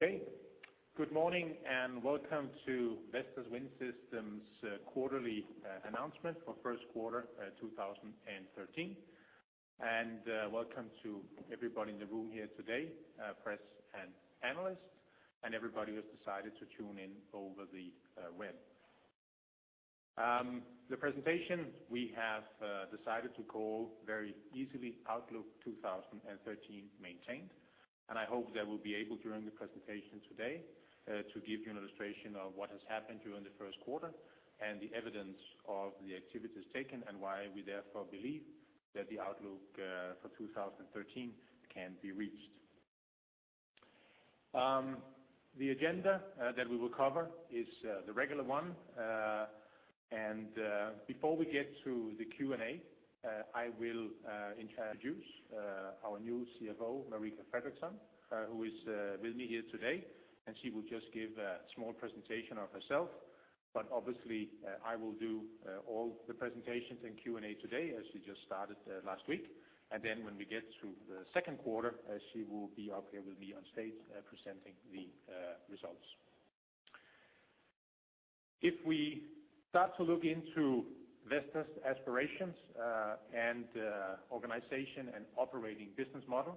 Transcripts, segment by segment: Okay. Good morning and welcome to Vestas Wind Systems' quarterly announcement for First Quarter 2013. Welcome to everybody in the room here today, press and analysts, and everybody who has decided to tune in over the web. The presentation we have decided to call very easily Outlook 2013 Maintained, and I hope that we'll be able during the presentation today to give you an illustration of what has happened during the first quarter and the evidence of the activities taken and why we therefore believe that the Outlook for 2013 can be reached. The agenda that we will cover is the regular one, and before we get to the Q&A, I will introduce our new CFO, Marika Fredriksson, who is with me here today, and she will just give a small presentation of herself. Obviously, I will do all the presentations and Q&A today as she just started last week, and then when we get to the second quarter, she will be up here with me on stage presenting the results. If we start to look into Vestas' aspirations and organization and operating business model,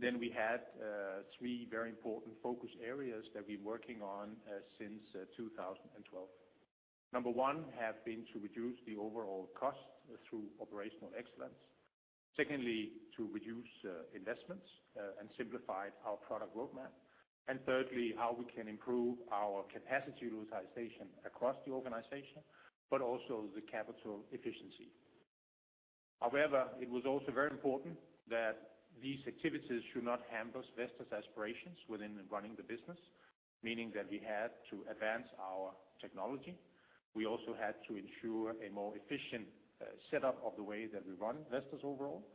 then we had three very important focus areas that we've been working on since 2012. Number one have been to reduce the overall cost through operational excellence. Secondly, to reduce investments and simplify our product roadmap. Thirdly, how we can improve our capacity utilization across the organization, but also the capital efficiency. However, it was also very important that these activities should not hamper Vestas' aspirations within running the business, meaning that we had to advance our technology. We also had to ensure a more efficient setup of the way that we run Vestas overall,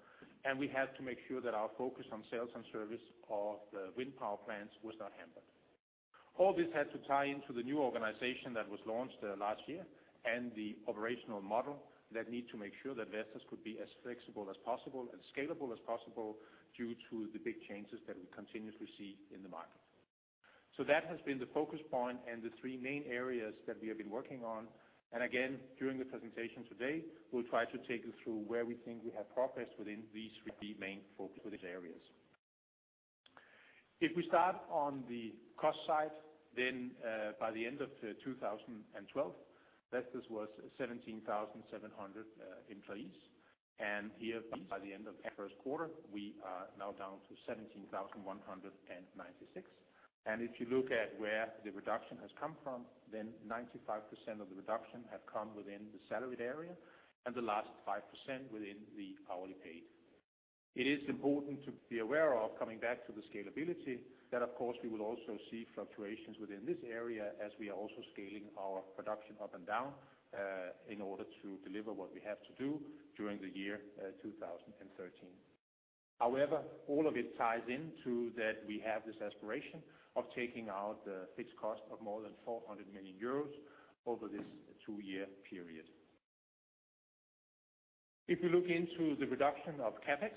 and we had to make sure that our focus on sales and service of the wind power plants was not hampered. All this had to tie into the new organization that was launched last year and the operational model that need to make sure that Vestas could be as flexible as possible and scalable as possible due to the big changes that we continuously see in the market. So that has been the focus point and the three main areas that we have been working on, and again, during the presentation today, we'll try to take you through where we think we have progressed within these. The main focus within those areas. If we start on the cost side, then by the end of 2012, Vestas was 17,700 employees, and here by the end of the first quarter, we are now down to 17,196. And if you look at where the reduction has come from, then 95% of the reduction had come within the salaried area and the last 5% within the hourly paid. It is important to be aware of, coming back to the scalability, that of course we will also see fluctuations within this area as we are also scaling our production up and down in order to deliver what we have to do during the year 2013. However, all of it ties into that we have this aspiration of taking out the fixed cost of more than 400 million euros over this two-year period. If we look into the reduction of CapEx,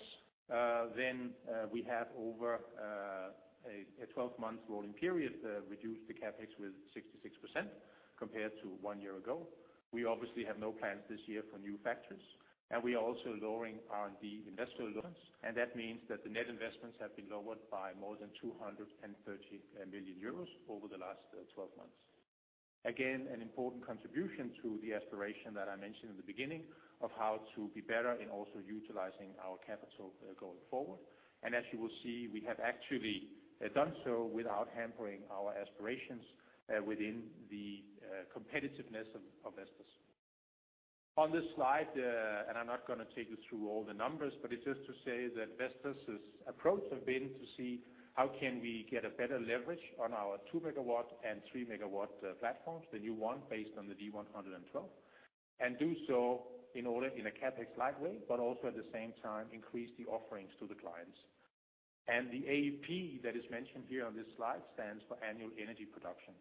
then we have over a 12-month rolling period reduced the CapEx with 66% compared to one year ago. We obviously have no plans this year for new factories, and we are also lowering R&D investments, and that means that the net investments have been lowered by more than 230 million euros over the last 12 months. Again, an important contribution to the aspiration that I mentioned in the beginning of how to be better in also utilizing our capital going forward, and as you will see, we have actually done so without hampering our aspirations within the competitiveness of Vestas. On this slide, and I'm not going to take you through all the numbers, but it's just to say that Vestas' approach has been to see how can we get a better leverage on our 2 megawatt and 3 megawatt platforms, the new one based on the V112, and do so in a CapEx-light way, but also at the same time increase the offerings to the clients. The AEP that is mentioned here on this slide stands for annual energy production,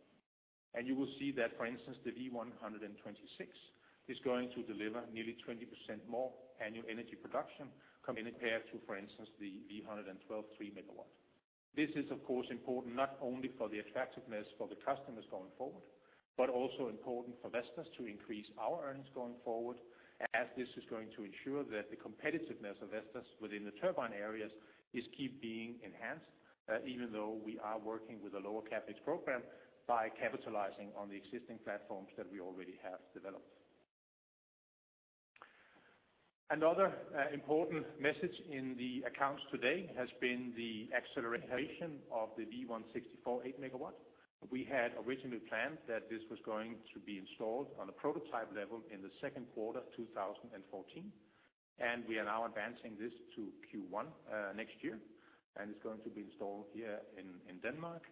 and you will see that, for instance, the V126 is going to deliver nearly 20% more annual energy production compared to, for instance, the V112 3 megawatt. This is, of course, important not only for the attractiveness for the customers going forward, but also important for Vestas to increase our earnings going forward as this is going to ensure that the competitiveness of Vestas within the turbine areas keeps being enhanced even though we are working with a lower CapEx program by capitalizing on the existing platforms that we already have developed. Another important message in the accounts today has been the acceleration of the V164-8.0 MW. We had originally planned that this was going to be installed on a prototype level in the second quarter 2014, and we are now advancing this to Q1 next year, and it's going to be installed here in Denmark.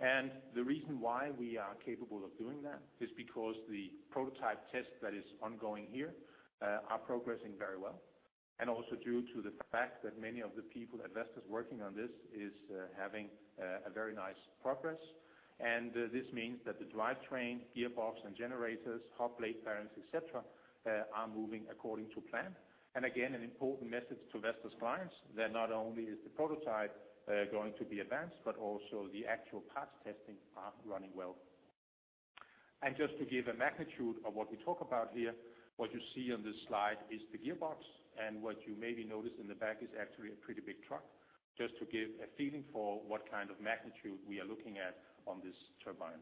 The reason why we are capable of doing that is because the prototype test that is ongoing here is progressing very well, and also due to the fact that many of the people at Vestas working on this are having very nice progress. This means that the drivetrain, gearbox, and generators, hub, blade, bearings, etc., are moving according to plan. Again, an important message to Vestas clients that not only is the prototype going to be advanced, but also the actual parts testing is running well. Just to give a magnitude of what we talk about here, what you see on this slide is the gearbox, and what you maybe notice in the back is actually a pretty big truck just to give a feeling for what kind of magnitude we are looking at on this turbine.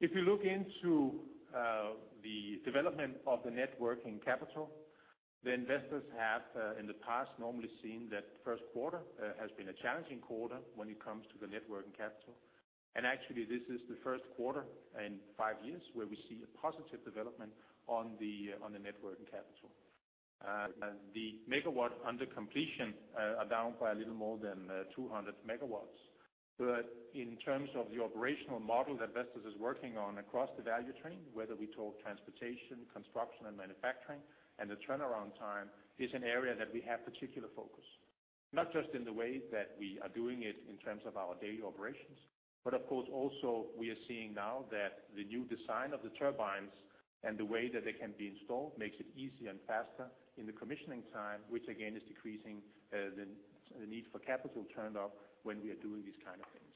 If you look into the development of the net working capital, then Vestas has in the past normally seen that first quarter has been a challenging quarter when it comes to the net working capital, and actually this is the first quarter in five years where we see a positive development on the net working capital. The megawatt under completion is down by a little more than 200 megawatts, but in terms of the operational model that Vestas is working on across the value chain, whether we talk transportation, construction, and manufacturing, and the turnaround time, it's an area that we have particular focus, not just in the way that we are doing it in terms of our daily operations, but of course also we are seeing now that the new design of the turbines and the way that they can be installed makes it easier and faster in the commissioning time, which again is decreasing the need for capital turned up when we are doing these kind of things.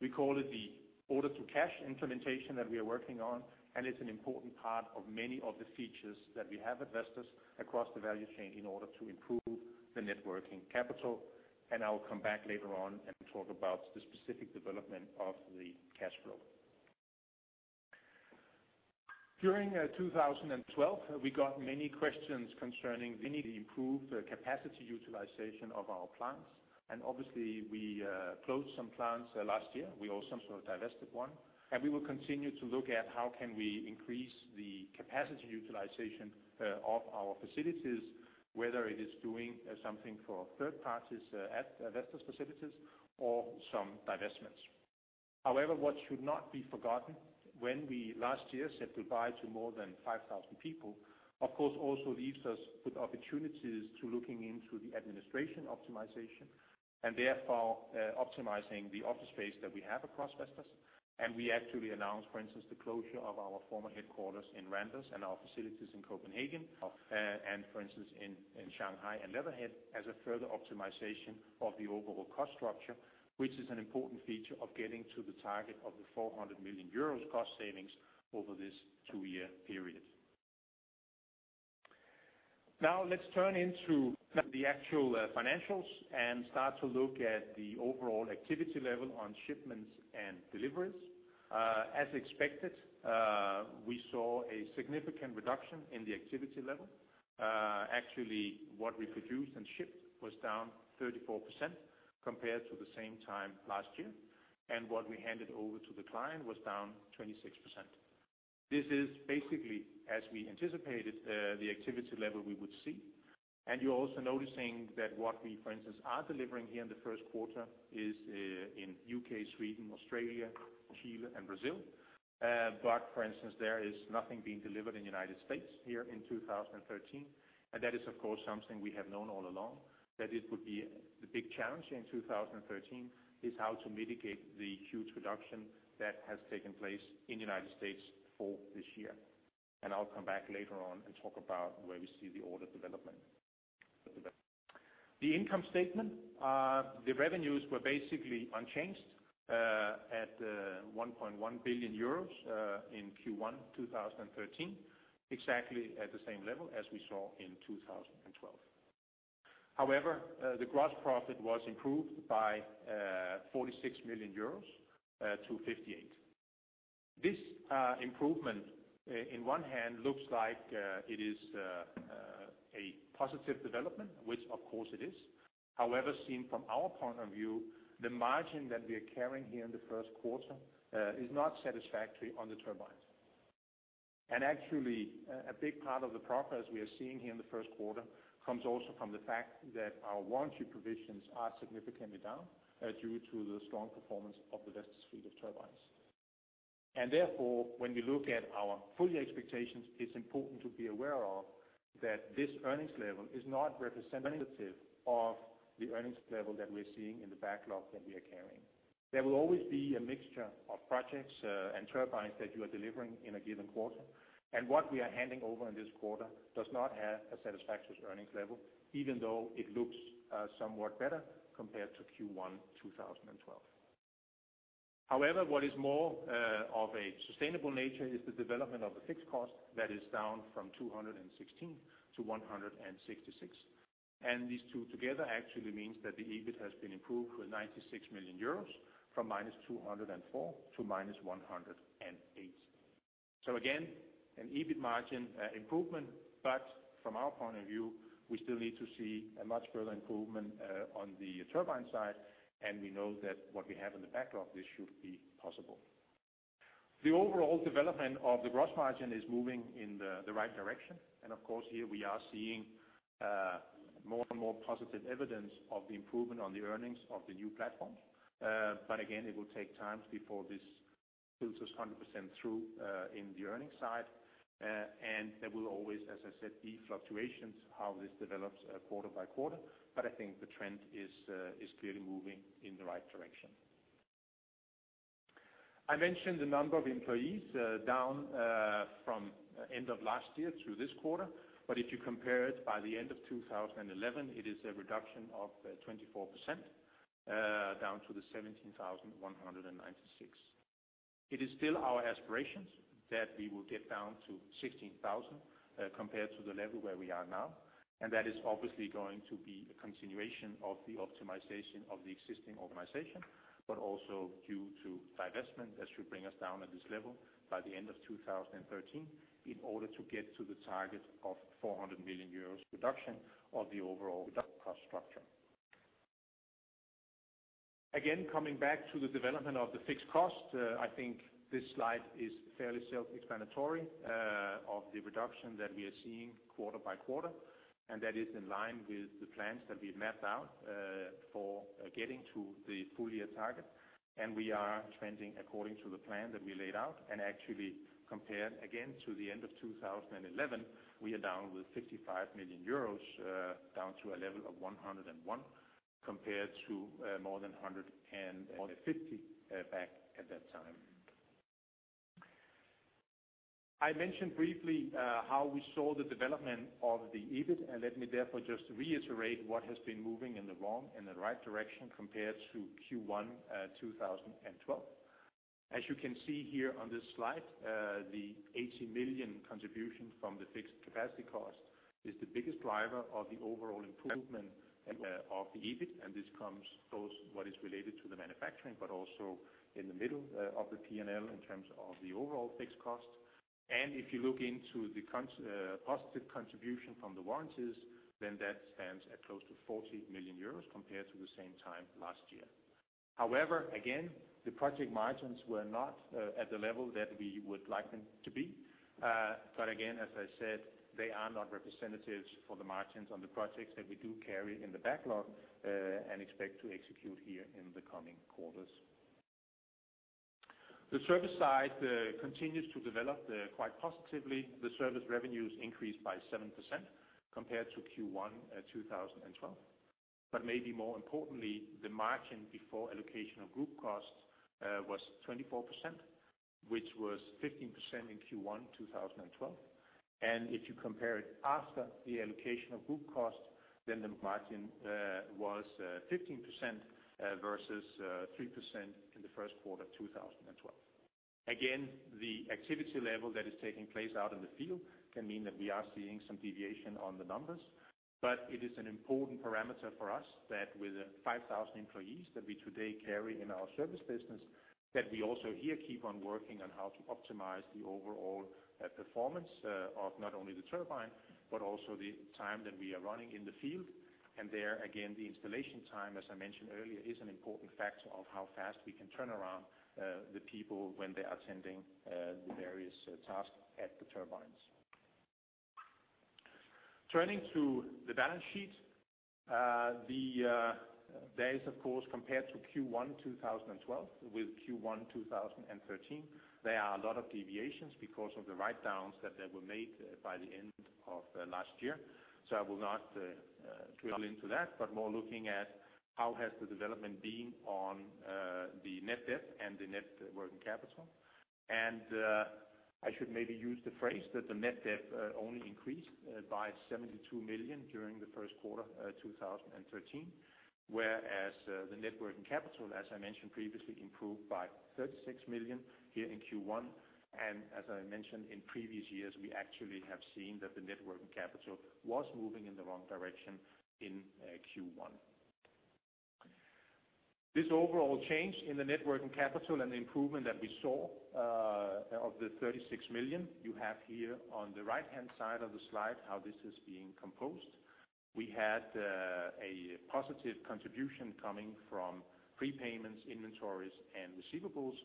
We call it the order-to-cash implementation that we are working on, and it's an important part of many of the features that we have at Vestas across the value chain in order to improve the net working capital, and I'll come back later on and talk about the specific development of the cash flow. During 2012, we got many questions concerning the improved capacity utilization of our plants, and obviously we closed some plants last year. We also sort of divested one, and we will continue to look at how we can increase the capacity utilization of our facilities, whether it is doing something for third parties at Vestas facilities or some divestments. However, what should not be forgotten, when we last year said goodbye to more than 5,000 people, of course also leaves us with opportunities to look into the administration optimization and therefore optimizing the office space that we have across Vestas. We actually announced, for instance, the closure of our former headquarters in Randers and our facilities in Copenhagen. For instance, in Shanghai and Leatherhead as a further optimization of the overall cost structure, which is an important feature of getting to the target of 400 million euros cost savings over this two-year period. Now let's turn into the actual financials and start to look at the overall activity level on shipments and deliveries. As expected, we saw a significant reduction in the activity level. Actually, what we produced and shipped was down 34% compared to the same time last year, and what we handed over to the client was down 26%. This is basically, as we anticipated, the activity level we would see. And you're also noticing that what we, for instance, are delivering here in the first quarter is in UK, Sweden, Australia, Chile, and Brazil, but for instance, there is nothing being delivered in the United States here in 2013, and that is of course something we have known all along that it would be the big challenge here in 2013 is how to mitigate the huge reduction that has taken place in the United States for this year. And I'll come back later on and talk about where we see the order development. The income statement, the revenues were basically unchanged at EUR 1.1 billion in Q1 2013, exactly at the same level as we saw in 2012. However, the gross profit was improved by 46 million euros to 58 million. This improvement, on the one hand, looks like it is a positive development, which of course it is. However, seen from our point of view, the margin that we are carrying here in the first quarter is not satisfactory on the turbines. And actually, a big part of the progress we are seeing here in the first quarter comes also from the fact that our warranty provisions are significantly down due to the strong performance of the Vestas fleet of turbines. Therefore, when we look at our full-year expectations, it's important to be aware of that this earnings level is not representative of the earnings level that we're seeing in the backlog that we are carrying. There will always be a mixture of projects and turbines that you are delivering in a given quarter, and what we are handing over in this quarter does not have a satisfactory earnings level even though it looks somewhat better compared to Q1 2012. However, what is more of a sustainable nature is the development of the fixed cost that is down from 216 million to 166 million, and these two together actually means that the EBIT has been improved with 96 million euros from -204 million to -108 million. So again, an EBIT margin improvement, but from our point of view, we still need to see a much further improvement on the turbine side, and we know that what we have in the backlog, this should be possible. The overall development of the gross margin is moving in the right direction, and of course here we are seeing more and more positive evidence of the improvement on the earnings of the new platforms, but again, it will take time before this filters 100% through in the earnings side, and there will always, as I said, be fluctuations how this develops quarter by quarter, but I think the trend is clearly moving in the right direction. I mentioned the number of employees down from end of last year through this quarter, but if you compare it by the end of 2011, it is a reduction of 24% down to the 17,196. It is still our aspirations that we will get down to 16,000 compared to the level where we are now, and that is obviously going to be a continuation of the optimization of the existing organization, but also due to divestment that should bring us down at this level by the end of 2013 in order to get to the target of 400 million euros reduction of the overall cost structure. Again, coming back to the development of the fixed cost, I think this slide is fairly self-explanatory of the reduction that we are seeing quarter by quarter, and that is in line with the plans that we have mapped out for getting to the full-year target, and we are trending according to the plan that we laid out. Actually compared again to the end of 2011, we are down with 55 million euros down to a level of 101 million compared to more than 150 million back at that time. I mentioned briefly how we saw the development of the EBIT, and let me therefore just reiterate what has been moving in the wrong and the right direction compared to Q1 2012. As you can see here on this slide, the 80 million contribution from the fixed capacity cost is the biggest driver of the overall improvement of the EBIT, and this comes both what is related to the manufacturing but also in the middle of the P&L in terms of the overall fixed cost. If you look into the positive contribution from the warranties, then that stands at close to 40 million euros compared to the same time last year. However, again, the project margins were not at the level that we would like them to be, but again, as I said, they are not representatives for the margins on the projects that we do carry in the backlog and expect to execute here in the coming quarters. The service side continues to develop quite positively. The service revenues increased by 7% compared to Q1 2012, but maybe more importantly, the margin before allocation of group costs was 24%, which was 15% in Q1 2012. If you compare it after the allocation of group costs, then the margin was 15% versus 3% in the first quarter 2012. Again, the activity level that is taking place out in the field can mean that we are seeing some deviation on the numbers, but it is an important parameter for us that with the 5,000 employees that we today carry in our service business, that we also here keep on working on how to optimize the overall performance of not only the turbine but also the time that we are running in the field. There, again, the installation time, as I mentioned earlier, is an important factor of how fast we can turn around the people when they are attending the various tasks at the turbines. Turning to the balance sheet, there is, of course, compared to Q1 2012 with Q1 2013, there are a lot of deviations because of the write-downs that were made by the end of last year, so I will not dwell into that, but more looking at how has the development been on the net debt and the net working capital. I should maybe use the phrase that the net debt only increased by 72 million during the first quarter 2013, whereas the net working capital, as I mentioned previously, improved by 36 million here in Q1. As I mentioned in previous years, we actually have seen that the net working capital was moving in the wrong direction in Q1. This overall change in the net working capital and the improvement that we saw of 36 million, you have here on the right-hand side of the slide how this is being composed. We had a positive contribution coming from prepayments, inventories, and receivables,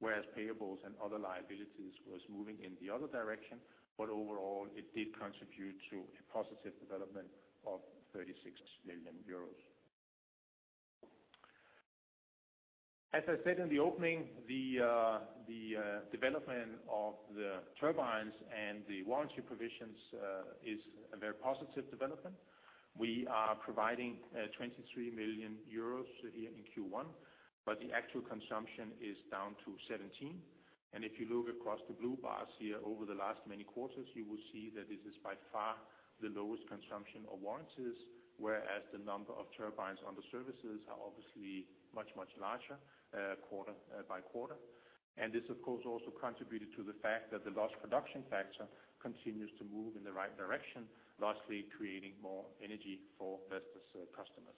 whereas payables and other liabilities were moving in the other direction, but overall it did contribute to a positive development of 36 million euros. As I said in the opening, the development of the turbines and the warranty provisions is a very positive development. We are providing 23 million euros here in Q1, but the actual consumption is down to 17 million, and if you look across the blue bars here over the last many quarters, you will see that this is by far the lowest consumption of warranties, whereas the number of turbines under services are obviously much, much larger quarter by quarter. And this, of course, also contributed to the fact that the lost production factor continues to move in the right direction, lastly creating more energy for Vestas customers.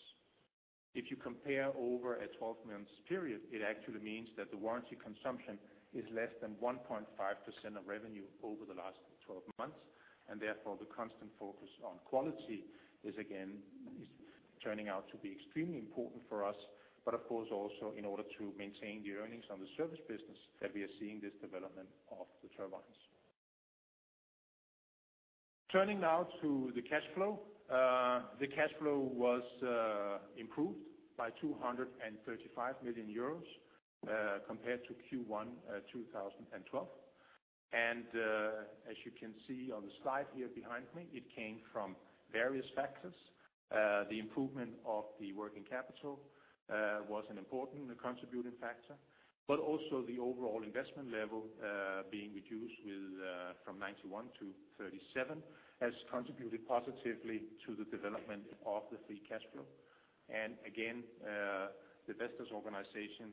If you compare over a 12-month period, it actually means that the warranty consumption is less than 1.5% of revenue over the last 12 months, and therefore the constant focus on quality is, again, turning out to be extremely important for us, but of course also in order to maintain the earnings on the service business that we are seeing this development of the turbines. Turning now to the cash flow, the cash flow was improved by 235 million euros compared to Q1 2012, and as you can see on the slide here behind me, it came from various factors. The improvement of the working capital was an important contributing factor, but also the overall investment level being reduced from 91 million to 37 million has contributed positively to the development of the free cash flow. Again, the Vestas organization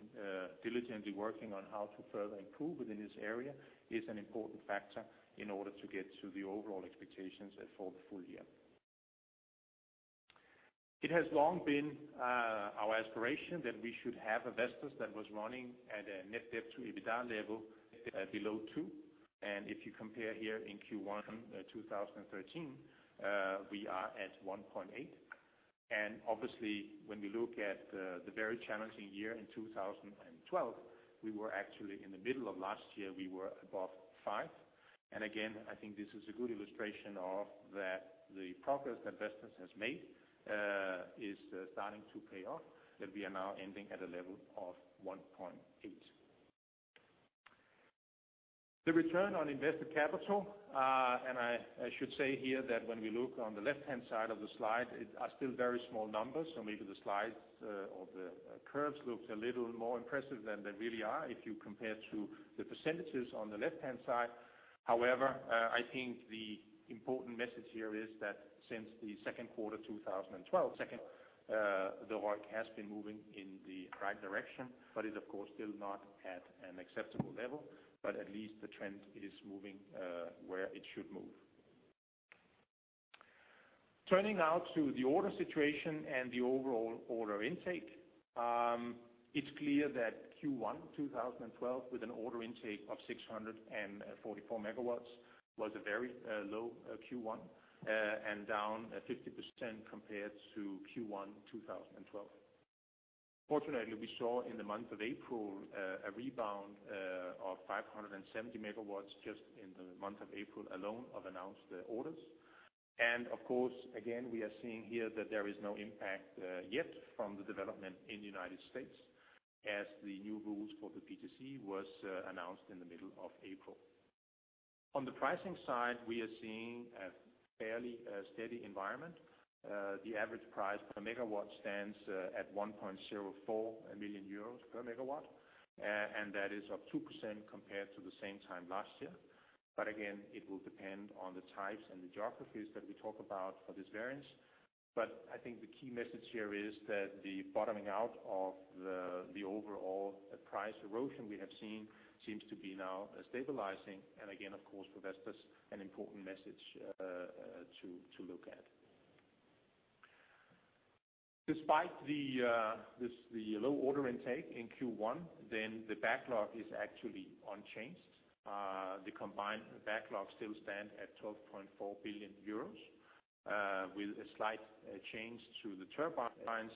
diligently working on how to further improve within this area is an important factor in order to get to the overall expectations for the full year. It has long been our aspiration that we should have a Vestas that was running at a net debt to EBITDA level below 2, and if you compare here in Q1 2013, we are at 1.8. Obviously, when we look at the very challenging year in 2012, we were actually in the middle of last year, we were above 5, and again, I think this is a good illustration of the progress that Vestas has made is starting to pay off, that we are now ending at a level of 1.8. The return on invested capital, and I should say here that when we look on the left-hand side of the slide, it are still very small numbers, so maybe the slides or the curves look a little more impressive than they really are if you compare to the percentages on the left-hand side. However, I think the important message here is that since the second quarter 2012, the ROIC has been moving in the right direction, but it, of course, still not at an acceptable level, but at least the trend is moving where it should move. Turning now to the order situation and the overall order intake, it's clear that Q1 2012 with an order intake of 644 MW was a very low Q1 and down 50% compared to Q1 2012. Fortunately, we saw in the month of April a rebound of 570 MW just in the month of April alone of announced orders. Of course, again, we are seeing here that there is no impact yet from the development in the United States as the new rules for the PTC were announced in the middle of April. On the pricing side, we are seeing a fairly steady environment. The average price per MW stands at 1.04 million euros per MW, and that is up 2% compared to the same time last year, but again, it will depend on the types and the geographies that we talk about for this variance. But I think the key message here is that the bottoming out of the overall price erosion we have seen seems to be now stabilizing, and again, of course, for Vestas, an important message to look at. Despite the low order intake in Q1, then the backlog is actually unchanged. The combined backlogs still stand at 12.4 billion euros with a slight change to the turbines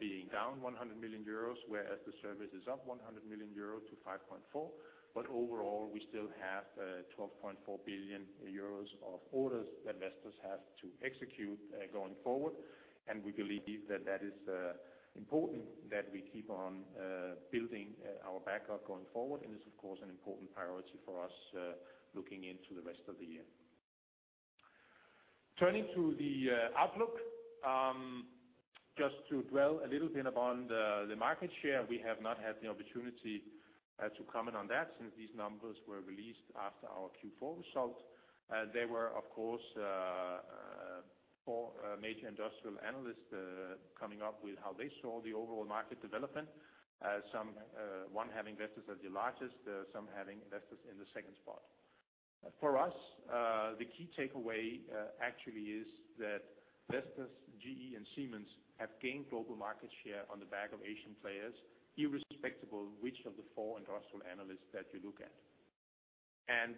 being down 100 million euros, whereas the service is up 100 million euros to 5.4 billion, but overall we still have 12.4 billion euros of orders that Vestas has to execute going forward, and we believe that that is important that we keep on building our backlog going forward, and it's, of course, an important priority for us looking into the rest of the year. Turning to the outlook, just to dwell a little bit upon the market share, we have not had the opportunity to comment on that since these numbers were released after our Q4 result. There were, of course, four major industrial analysts coming up with how they saw the overall market development, one having Vestas as the largest, some having Vestas in the second spot. For us, the key takeaway actually is that Vestas, GE, and Siemens have gained global market share on the back of Asian players, irrespective which of the four industrial analysts that you look at. And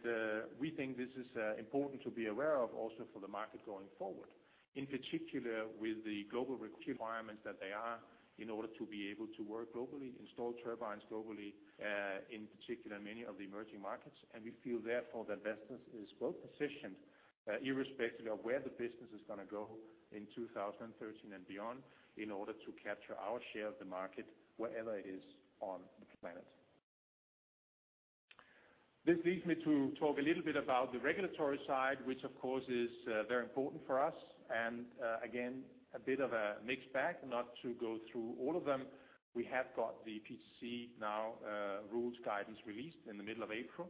we think this is important to be aware of also for the market going forward, in particular with the global requirements that they are in order to be able to work globally, install turbines globally, in particular many of the emerging markets, and we feel therefore that Vestas is well positioned, irrespective of where the business is going to go in 2013 and beyond, in order to capture our share of the market wherever it is on the planet. This leads me to talk a little bit about the regulatory side, which, of course, is very important for us, and again, a bit of a mixed bag, not to go through all of them. We have got the PTC now rules guidance released in the middle of April.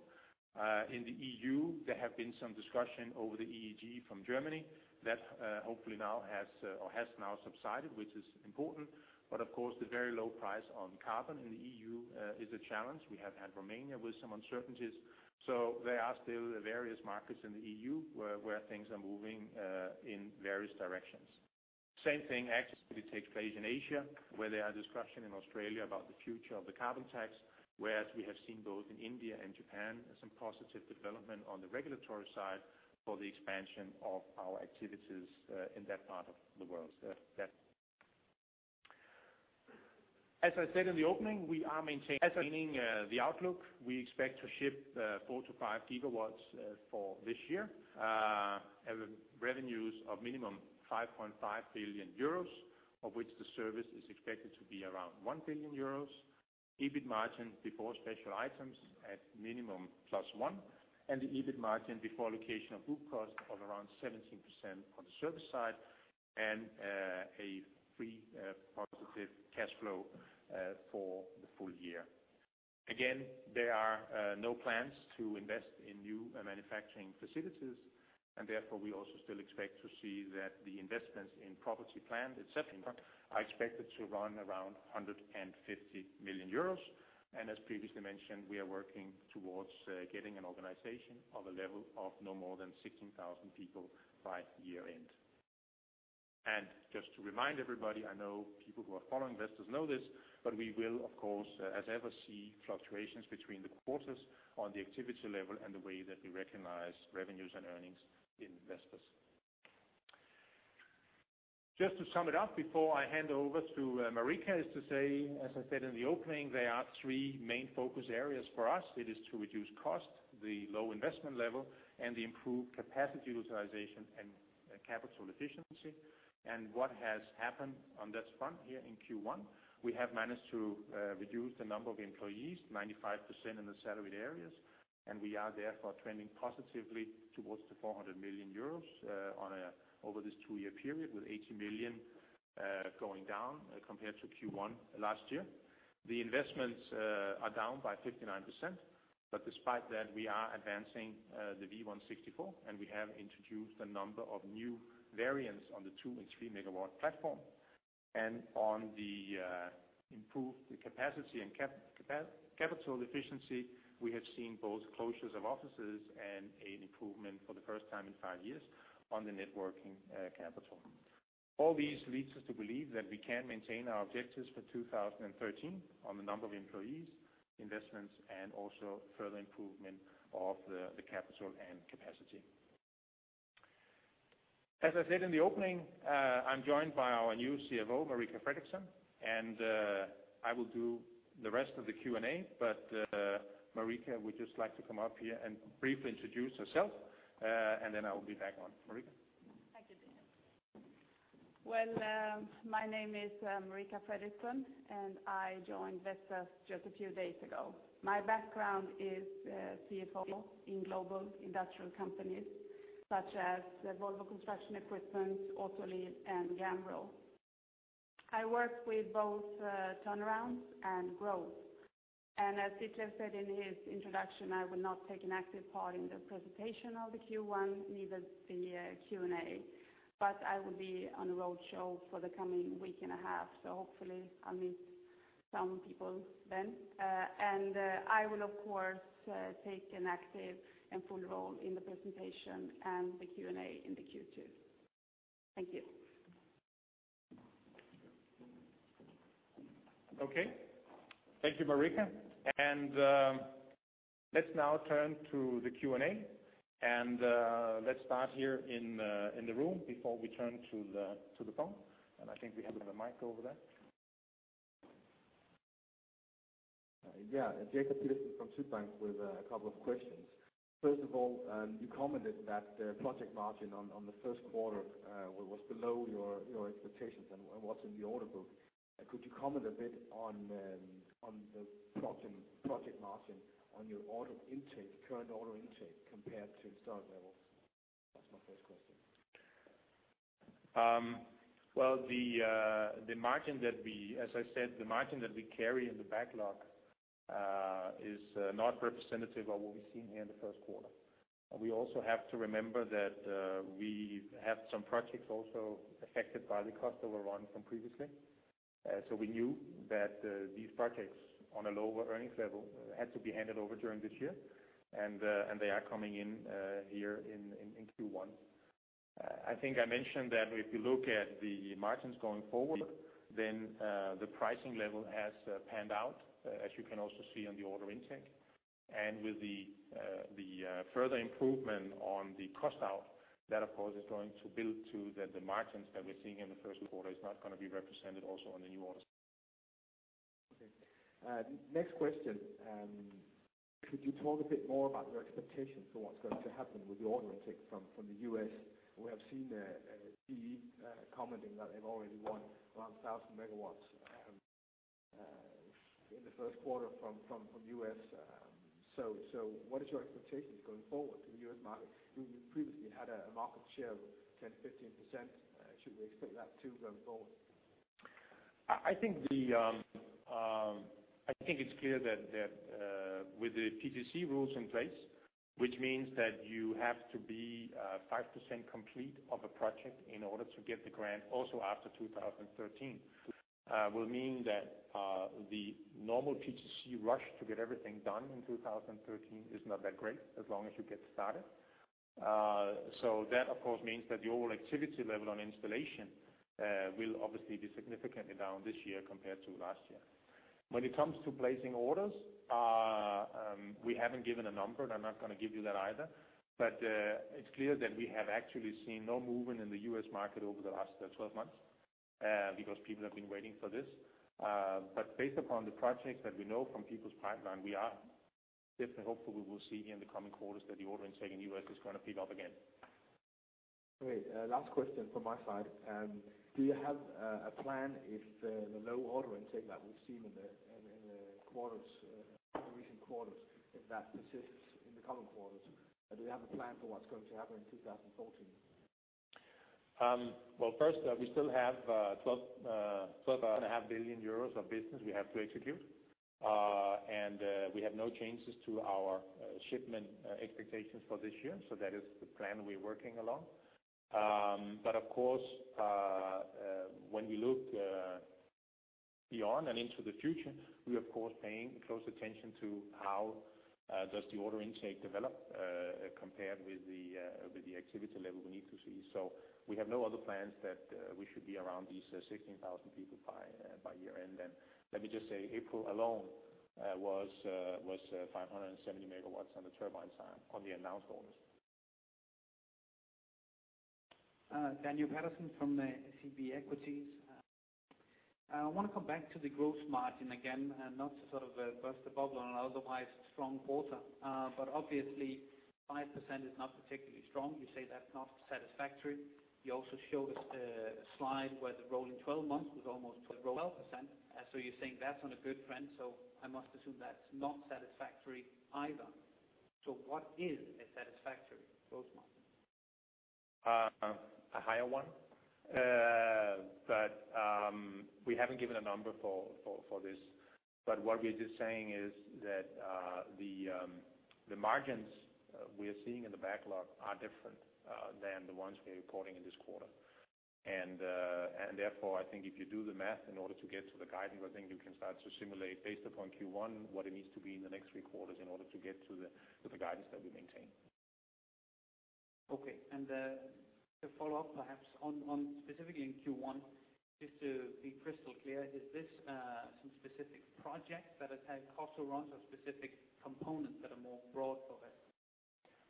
In the EU, there have been some discussion over the EEG from Germany that hopefully now has or has now subsided, which is important, but of course, the very low price on carbon in the EU is a challenge. We have had Romania with some uncertainties, so there are still various markets in the EU where things are moving in various directions. Same thing actually takes place in Asia, where there are discussions in Australia about the future of the carbon tax, whereas we have seen both in India and Japan some positive development on the regulatory side for the expansion of our activities in that part of the world. As I said in the opening, we are maintaining the outlook. We expect to ship 4-5 GW for this year, revenues of minimum 5.5 billion euros, of which the service is expected to be around 1 billion euros, EBIT margin before special items at minimum +1%, and the EBIT margin before allocation of group costs of around 17% on the service side, and a positive free cash flow for the full year. Again, there are no plans to invest in new manufacturing facilities, and therefore we also still expect to see that the investments in property, plant and equipment are expected to run around 150 million euros, and as previously mentioned, we are working towards getting an organization of a level of no more than 16,000 people by year-end. Just to remind everybody, I know people who are following Vestas know this, but we will, of course, as ever, see fluctuations between the quarters on the activity level and the way that we recognize revenues and earnings in Vestas. Just to sum it up before I hand over to Marika, is to say, as I said in the opening, there are 3 main focus areas for us. It is to reduce cost, the low investment level, and the improved capacity utilization and capital efficiency. What has happened on that front here in Q1, we have managed to reduce the number of employees 95% in the salaried areas, and we are therefore trending positively towards the 400 million euros over this two-year period with 80 million going down compared to Q1 last year. The investments are down by 59%, but despite that, we are advancing the V164, and we have introduced a number of new variants on the 2 MW and 3 MW platform. On the improved capacity and capital efficiency, we have seen both closures of offices and an improvement for the first time in five years on the net working capital. All these lead us to believe that we can maintain our objectives for 2013 on the number of employees, investments, and also further improvement of the capital and capacity. As I said in the opening, I'm joined by our new CFO, Marika Fredriksson, and I will do the rest of the Q&A, but Marika, we'd just like to come up here and briefly introduce herself, and then I will be back on. Marika? Thank you, Ditlev. Well, my name is Marika Fredriksson, and I joined Vestas just a few days ago. My background is CFO in global industrial companies such as Volvo Construction Equipment, Autoliv, and Gambro. I work with both turnarounds and growth, and as Ditlev Engel said in his introduction, I will not take an active part in the presentation of the Q1, neither the Q&A, but I will be on a roadshow for the coming week and a half, so hopefully I'll meet some people then. And I will, of course, take an active and full role in the presentation and the Q&A in the Q2. Thank you. Okay. Thank you, Marika. Let's now turn to the Q&A, and let's start here in the room before we turn to the phone, and I think we have the mic over there. Yeah. Jacob Pedersen from Sydbank with a couple of questions. First of all, you commented that the project margin on the first quarter was below your expectations and was in the order book. Could you comment a bit on the project margin on your current order intake compared to start level? That's my first question. Well, as I said, the margin that we carry in the backlog is not representative of what we've seen here in the first quarter. We also have to remember that we have some projects also affected by the cost that were run from previously, so we knew that these projects on a lower earnings level had to be handed over during this year, and they are coming in here in Q1. I think I mentioned that if you look at the margins going forward, then the pricing level has panned out, as you can also see on the order intake, and with the further improvement on the cost out, that, of course, is going to build to that the margins that we're seeing in the first quarter is not going to be represented also on the new order side. Okay. Next question. Could you talk a bit more about your expectations for what's going to happen with the order intake from the U.S.? We have seen GE commenting that they've already won around 1,000 MW in the first quarter from the U.S., so what is your expectations going forward to the U.S. market? You previously had a market share of 10%-15%. Should we expect that too going forward? I think it's clear that with the PTC rules in place, which means that you have to be 5% complete of a project in order to get the grant also after 2013, will mean that the normal PTC rush to get everything done in 2013 is not that great as long as you get started. So that, of course, means that the overall activity level on installation will obviously be significantly down this year compared to last year. When it comes to placing orders, we haven't given a number, and I'm not going to give you that either, but it's clear that we have actually seen no movement in the U.S. market over the last 12 months because people have been waiting for this. Based upon the projects that we know from people's pipeline, we are definitely hopeful we will see here in the coming quarters that the order intake in the U.S. is going to pick up again. Great. Last question from my side. Do you have a plan if the low order intake that we've seen in the recent quarters, if that persists in the coming quarters, do you have a plan for what's going to happen in 2014? Well, first, we still have 12.5 billion euros of business we have to execute, and we have no changes to our shipment expectations for this year, so that is the plan we're working along. But of course, when we look beyond and into the future, we are, of course, paying close attention to how does the order intake develop compared with the activity level we need to see. So we have no other plans that we should be around these 16,000 people by year-end, and let me just say April alone was 570 MW on the turbine side on the announced orders. Daniel Patterson from SEB Equities. I want to come back to the gross margin again, not to sort of burst the bubble on an otherwise strong quarter, but obviously, 5% is not particularly strong. You say that's not satisfactory. You also showed us a slide where the rolling 12 months was almost 12%, so you're saying that's on a good trend, so I must assume that's not satisfactory either. So what is a satisfactory gross margin? A higher one? But we haven't given a number for this, but what we're just saying is that the margins we're seeing in the backlog are different than the ones we're reporting in this quarter, and therefore, I think if you do the math in order to get to the guidance, I think you can start to simulate based upon Q1 what it needs to be in the next three quarters in order to get to the guidance that we maintain. Okay. To follow up perhaps specifically in Q1, just to be crystal clear, is this some specific project that has had cost overruns or specific components that are more broad for Vestas?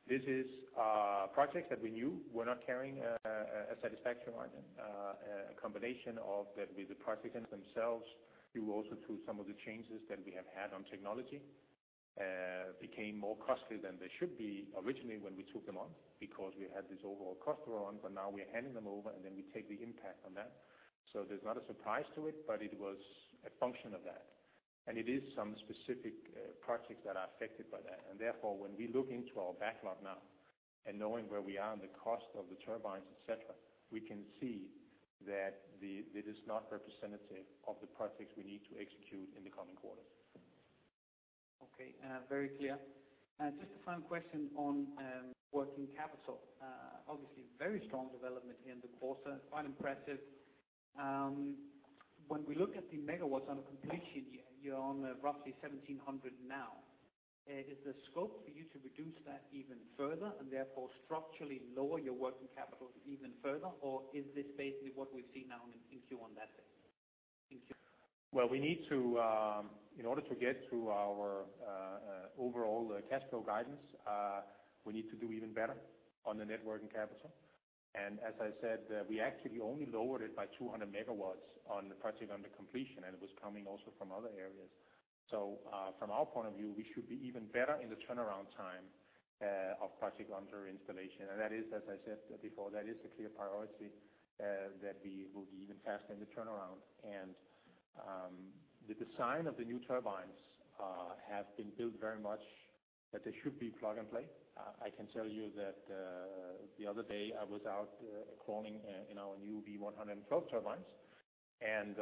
This is projects that we knew were not carrying a satisfactory margin, a combination of that with the projects themselves, due also to some of the changes that we have had on technology, became more costly than they should be originally when we took them on because we had this overall cost overrun, but now we're handing them over, and then we take the impact on that. So there's not a surprise to it, but it was a function of that, and it is some specific projects that are affected by that. Therefore, when we look into our backlog now and knowing where we are on the cost of the turbines, etc., we can see that it is not representative of the projects we need to execute in the coming quarters. Okay. Very clear. Just a final question on working capital. Obviously, very strong development here in the quarter, quite impressive. When we look at the megawatts on a completion year, you're on roughly 1,700 now. Is the scope for you to reduce that even further and therefore structurally lower your working capital even further, or is this basically what we've seen now in Q1 to date? Well, in order to get to our overall cash flow guidance, we need to do even better on the net working capital, and as I said, we actually only lowered it by 200 MW on the project under completion, and it was coming also from other areas. So from our point of view, we should be even better in the turnaround time of project under installation, and that is, as I said before, that is a clear priority that we will be even faster in the turnaround. And the design of the new turbines has been built very much that they should be plug-and-play. I can tell you that the other day I was out crawling in our new V112 turbines, and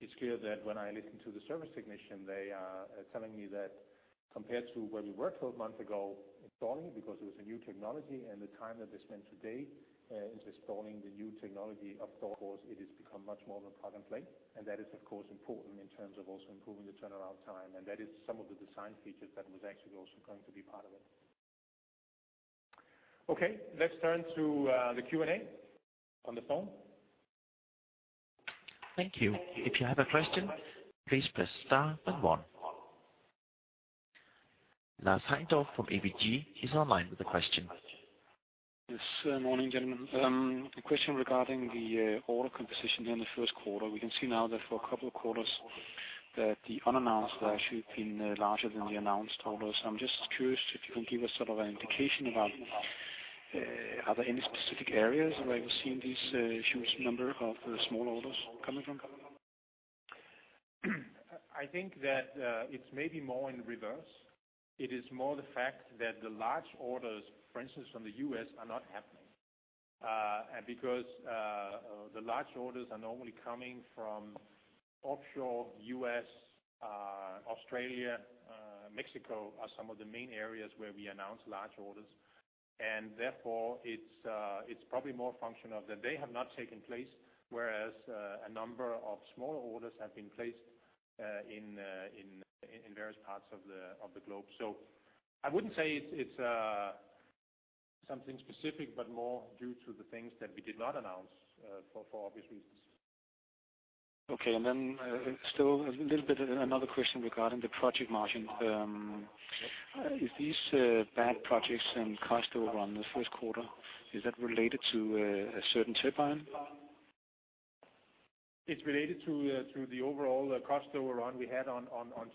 it's clear that when I listen to the service technician, they are telling me that compared to where we were 12 months ago installing it because it was a new technology, and the time that they spend today installing the new technology. Of course, it has become much more of a plug-and-play, and that is, of course, important in terms of also improving the turnaround time, and that is some of the design features that was actually also going to be part of it. Okay. Let's turn to the Q&A on the phone. Thank you. If you have a question, please press star and one. Lars Heindorf from ABG is on line with a question. Yes. Morning, gentlemen. A question regarding the order composition here in the first quarter. We can see now that for a couple of quarters that the unannounced value has been larger than the announced orders, so I'm just curious if you can give us sort of an indication about are there any specific areas where you're seeing this huge number of small orders coming from? I think that it's maybe more in reverse. It is more the fact that the large orders, for instance, from the US, are not happening because the large orders are normally coming from offshore US, Australia, Mexico, are some of the main areas where we announce large orders, and therefore, it's probably more a function of that they have not taken place, whereas a number of smaller orders have been placed in various parts of the globe. So I wouldn't say it's something specific, but more due to the things that we did not announce for obvious reasons. Okay. And then still a little bit another question regarding the project margin. Is these bad projects and cost overrun in the first quarter, is that related to a certain turbine? It's related to the overall cost overrun we had on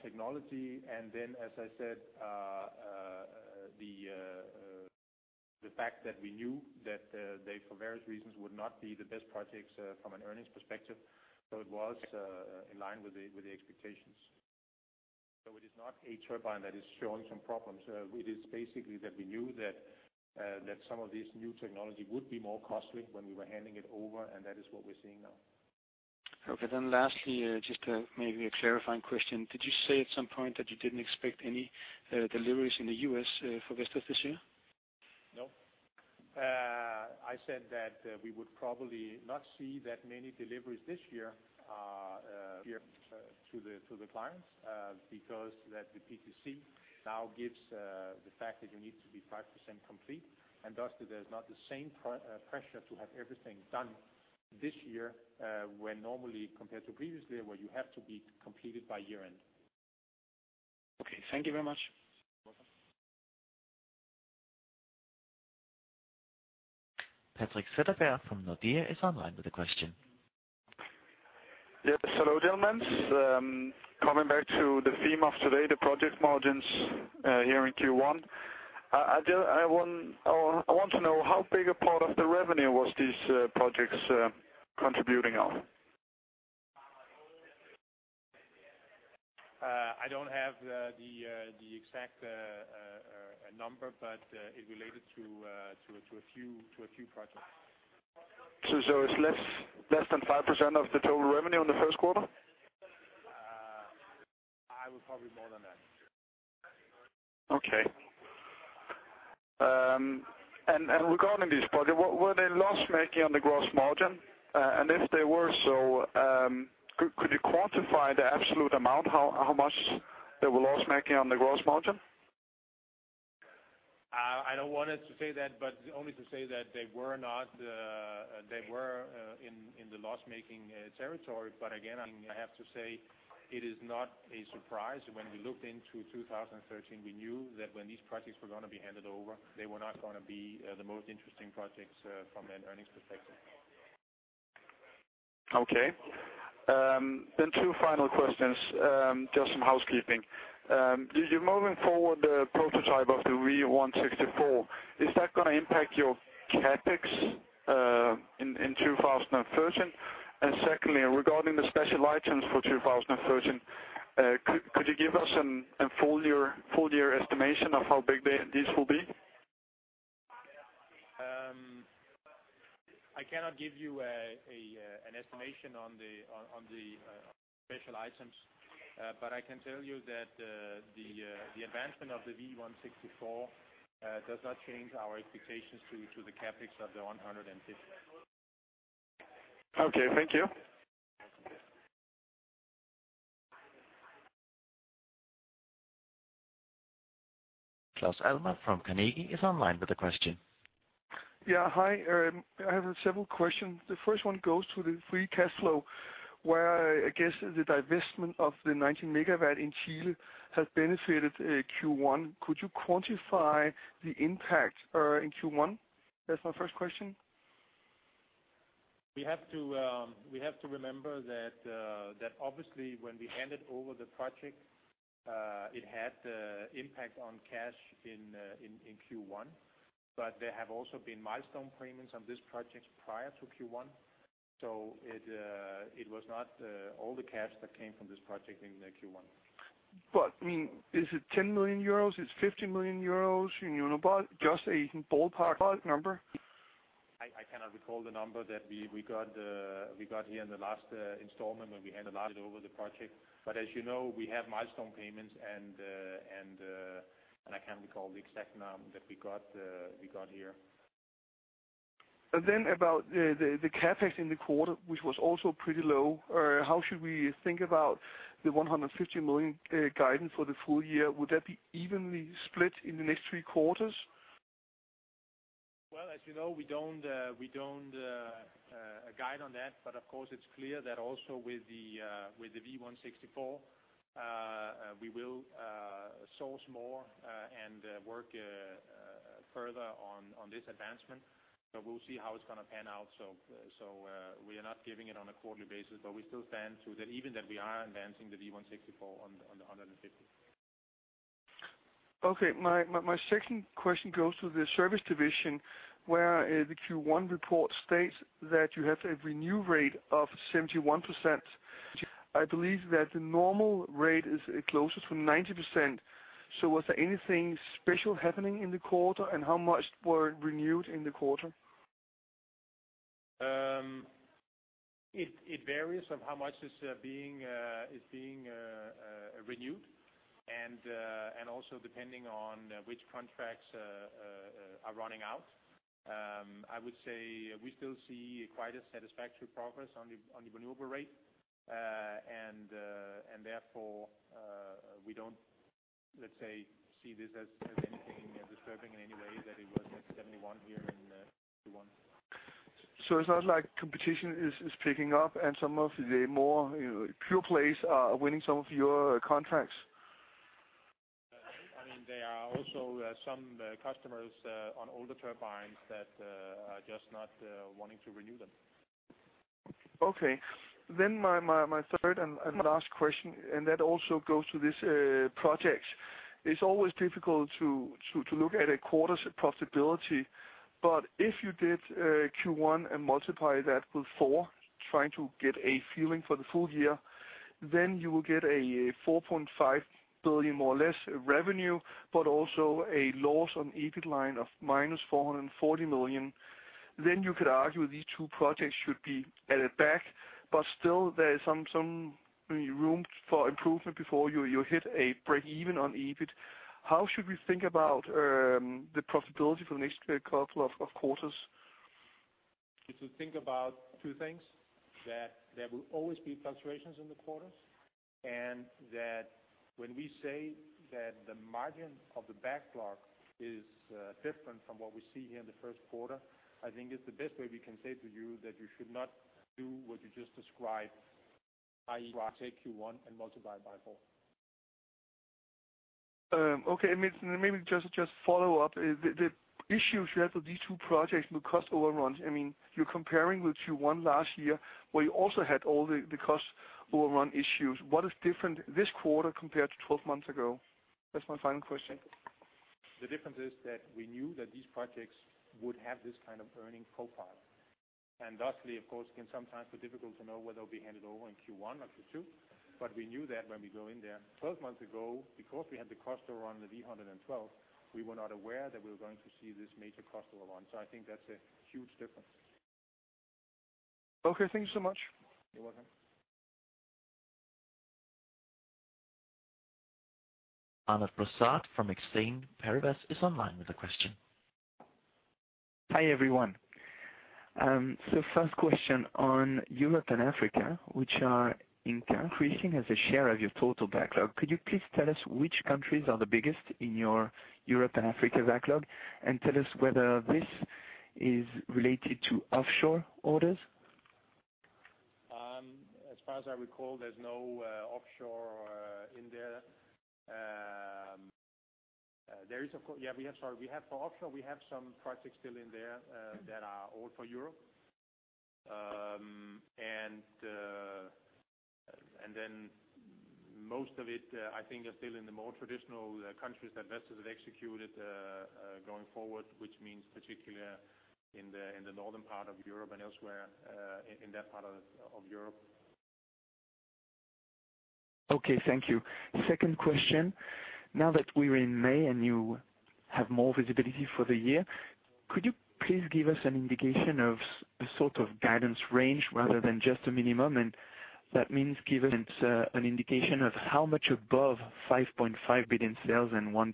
technology, and then, as I said, the fact that we knew that they, for various reasons, would not be the best projects from an earnings perspective, so it was in line with the expectations. So it is not a turbine that is showing some problems. It is basically that we knew that some of this new technology would be more costly when we were handing it over, and that is what we're seeing now. Okay. Then lastly, just maybe a clarifying question. Did you say at some point that you didn't expect any deliveries in the U.S. for Vestas this year? No. I said that we would probably not see that many deliveries this year to the clients because that the PTC now gives the fact that you need to be 5% complete, and thus there's not the same pressure to have everything done this year when normally, compared to previously, where you have to be completed by year-end. Okay. Thank you very much. You're welcome. Patrik Setterberg from Nordea is on the line with a question. Yes. Hello, gentlemen. Coming back to the theme of today, the project margins here in Q1, I want to know how big a part of the revenue was these projects contributing on? I don't have the exact number, but it related to a few projects. It's less than 5% of the total revenue in the first quarter? I would probably more than that. Okay. And regarding these projects, were they loss-making on the gross margin? And if they were, so could you quantify the absolute amount, how much they were loss-making on the gross margin? I don't wanted to say that, but only to say that they were not in the loss-making territory, but again, I have to say it is not a surprise. When we looked into 2013, we knew that when these projects were going to be handed over, they were not going to be the most interesting projects from an earnings perspective. Okay. Then two final questions, just some housekeeping. You're moving forward the prototype of the V164. Is that going to impact your CapEx in 2013? And secondly, regarding the special items for 2013, could you give us a full-year estimation of how big these will be? I cannot give you an estimation on the special items, but I can tell you that the advancement of the V164 does not change our expectations to the CapEx of 150 million. Okay. Thank you. Claus Almer from Carnegie is on the line with a question. Yeah. Hi. I have several questions. The first one goes to the free cash flow where, I guess, the divestment of the 19 MW in Chile has benefited Q1. Could you quantify the impact in Q1? That's my first question. We have to remember that obviously, when we handed over the project, it had impact on cash in Q1, but there have also been milestone payments on this project prior to Q1, so it was not all the cash that came from this project in Q1. But I mean, is it 10 million euros? Is it 15 million euros? You know about just a ballpark number? I cannot recall the number that we got here in the last installment when we handed over the project, but as you know, we have milestone payments, and I can't recall the exact number that we got here. Then about the CapEx in the quarter, which was also pretty low, how should we think about the 150 million guidance for the full year? Would that be evenly split in the next three quarters? Well, as you know, we don't guide on that, but of course, it's clear that also with the V164, we will source more and work further on this advancement, but we'll see how it's going to pan out. So we are not giving it on a quarterly basis, but we still stand to that even that we are advancing the V164 on the 150. Okay. My second question goes to the service division where the Q1 report states that you have a renew rate of 71%. I believe that the normal rate is closer to 90%, so was there anything special happening in the quarter, and how much were renewed in the quarter? It varies on how much is being renewed and also depending on which contracts are running out. I would say we still see quite a satisfactory progress on the renewal rate, and therefore, we don't, let's say, see this as anything disturbing in any way, that it was at 71 here in Q1. So it's not like competition is picking up, and some of the more pure players are winning some of your contracts? I mean, there are also some customers on older turbines that are just not wanting to renew them. Okay. Then my third and last question, and that also goes to these projects. It's always difficult to look at a quarter's profitability, but if you did Q1 and multiply that with 4 trying to get a feeling for the full year, then you will get 4.5 billion more or less revenue, but also a loss on EBIT line of -440 million. Then you could argue these two projects should be added back, but still, there is some room for improvement before you hit a break-even on EBIT. How should we think about the profitability for the next couple of quarters? You should think about 2 things, that there will always be fluctuations in the quarters, and that when we say that the margin of the backlog is different from what we see here in the first quarter, I think it's the best way we can say to you that you should not do what you just described, i.e., take Q1 and multiply it by 4. Okay. And maybe just follow up. The issues you had with these two projects with cost overrun, I mean, you're comparing with Q1 last year where you also had all the cost overrun issues. What is different this quarter compared to 12 months ago? That's my final question. The difference is that we knew that these projects would have this kind of earnings profile, and thusly, of course, again, sometimes it's difficult to know whether they'll be handed over in Q1 or Q2, but we knew that when we go in there. 12 months ago, because we had the cost overrun on the V112, we were not aware that we were going to see this major cost overrun, so I think that's a huge difference. Okay. Thank you so much. You're welcome. Manuel Losa from Exane BNP Paribas is on the line with a question. Hi, everyone. First question, on Europe and Africa, which are increasing as a share of your total backlog, could you please tell us which countries are the biggest in your Europe and Africa backlog, and tell us whether this is related to offshore orders? As far as I recall, there's no offshore in there. For offshore, we have some projects still in there that are all for Europe, and then most of it, I think, are still in the more traditional countries that Vestas have executed going forward, which means particularly in the northern part of Europe and elsewhere in that part of Europe. Okay. Thank you. Second question, now that we're in May and you have more visibility for the year, could you please give us an indication of a sort of guidance range rather than just a minimum, and that means give us an indication of how much above 5.5 billion sales and 1%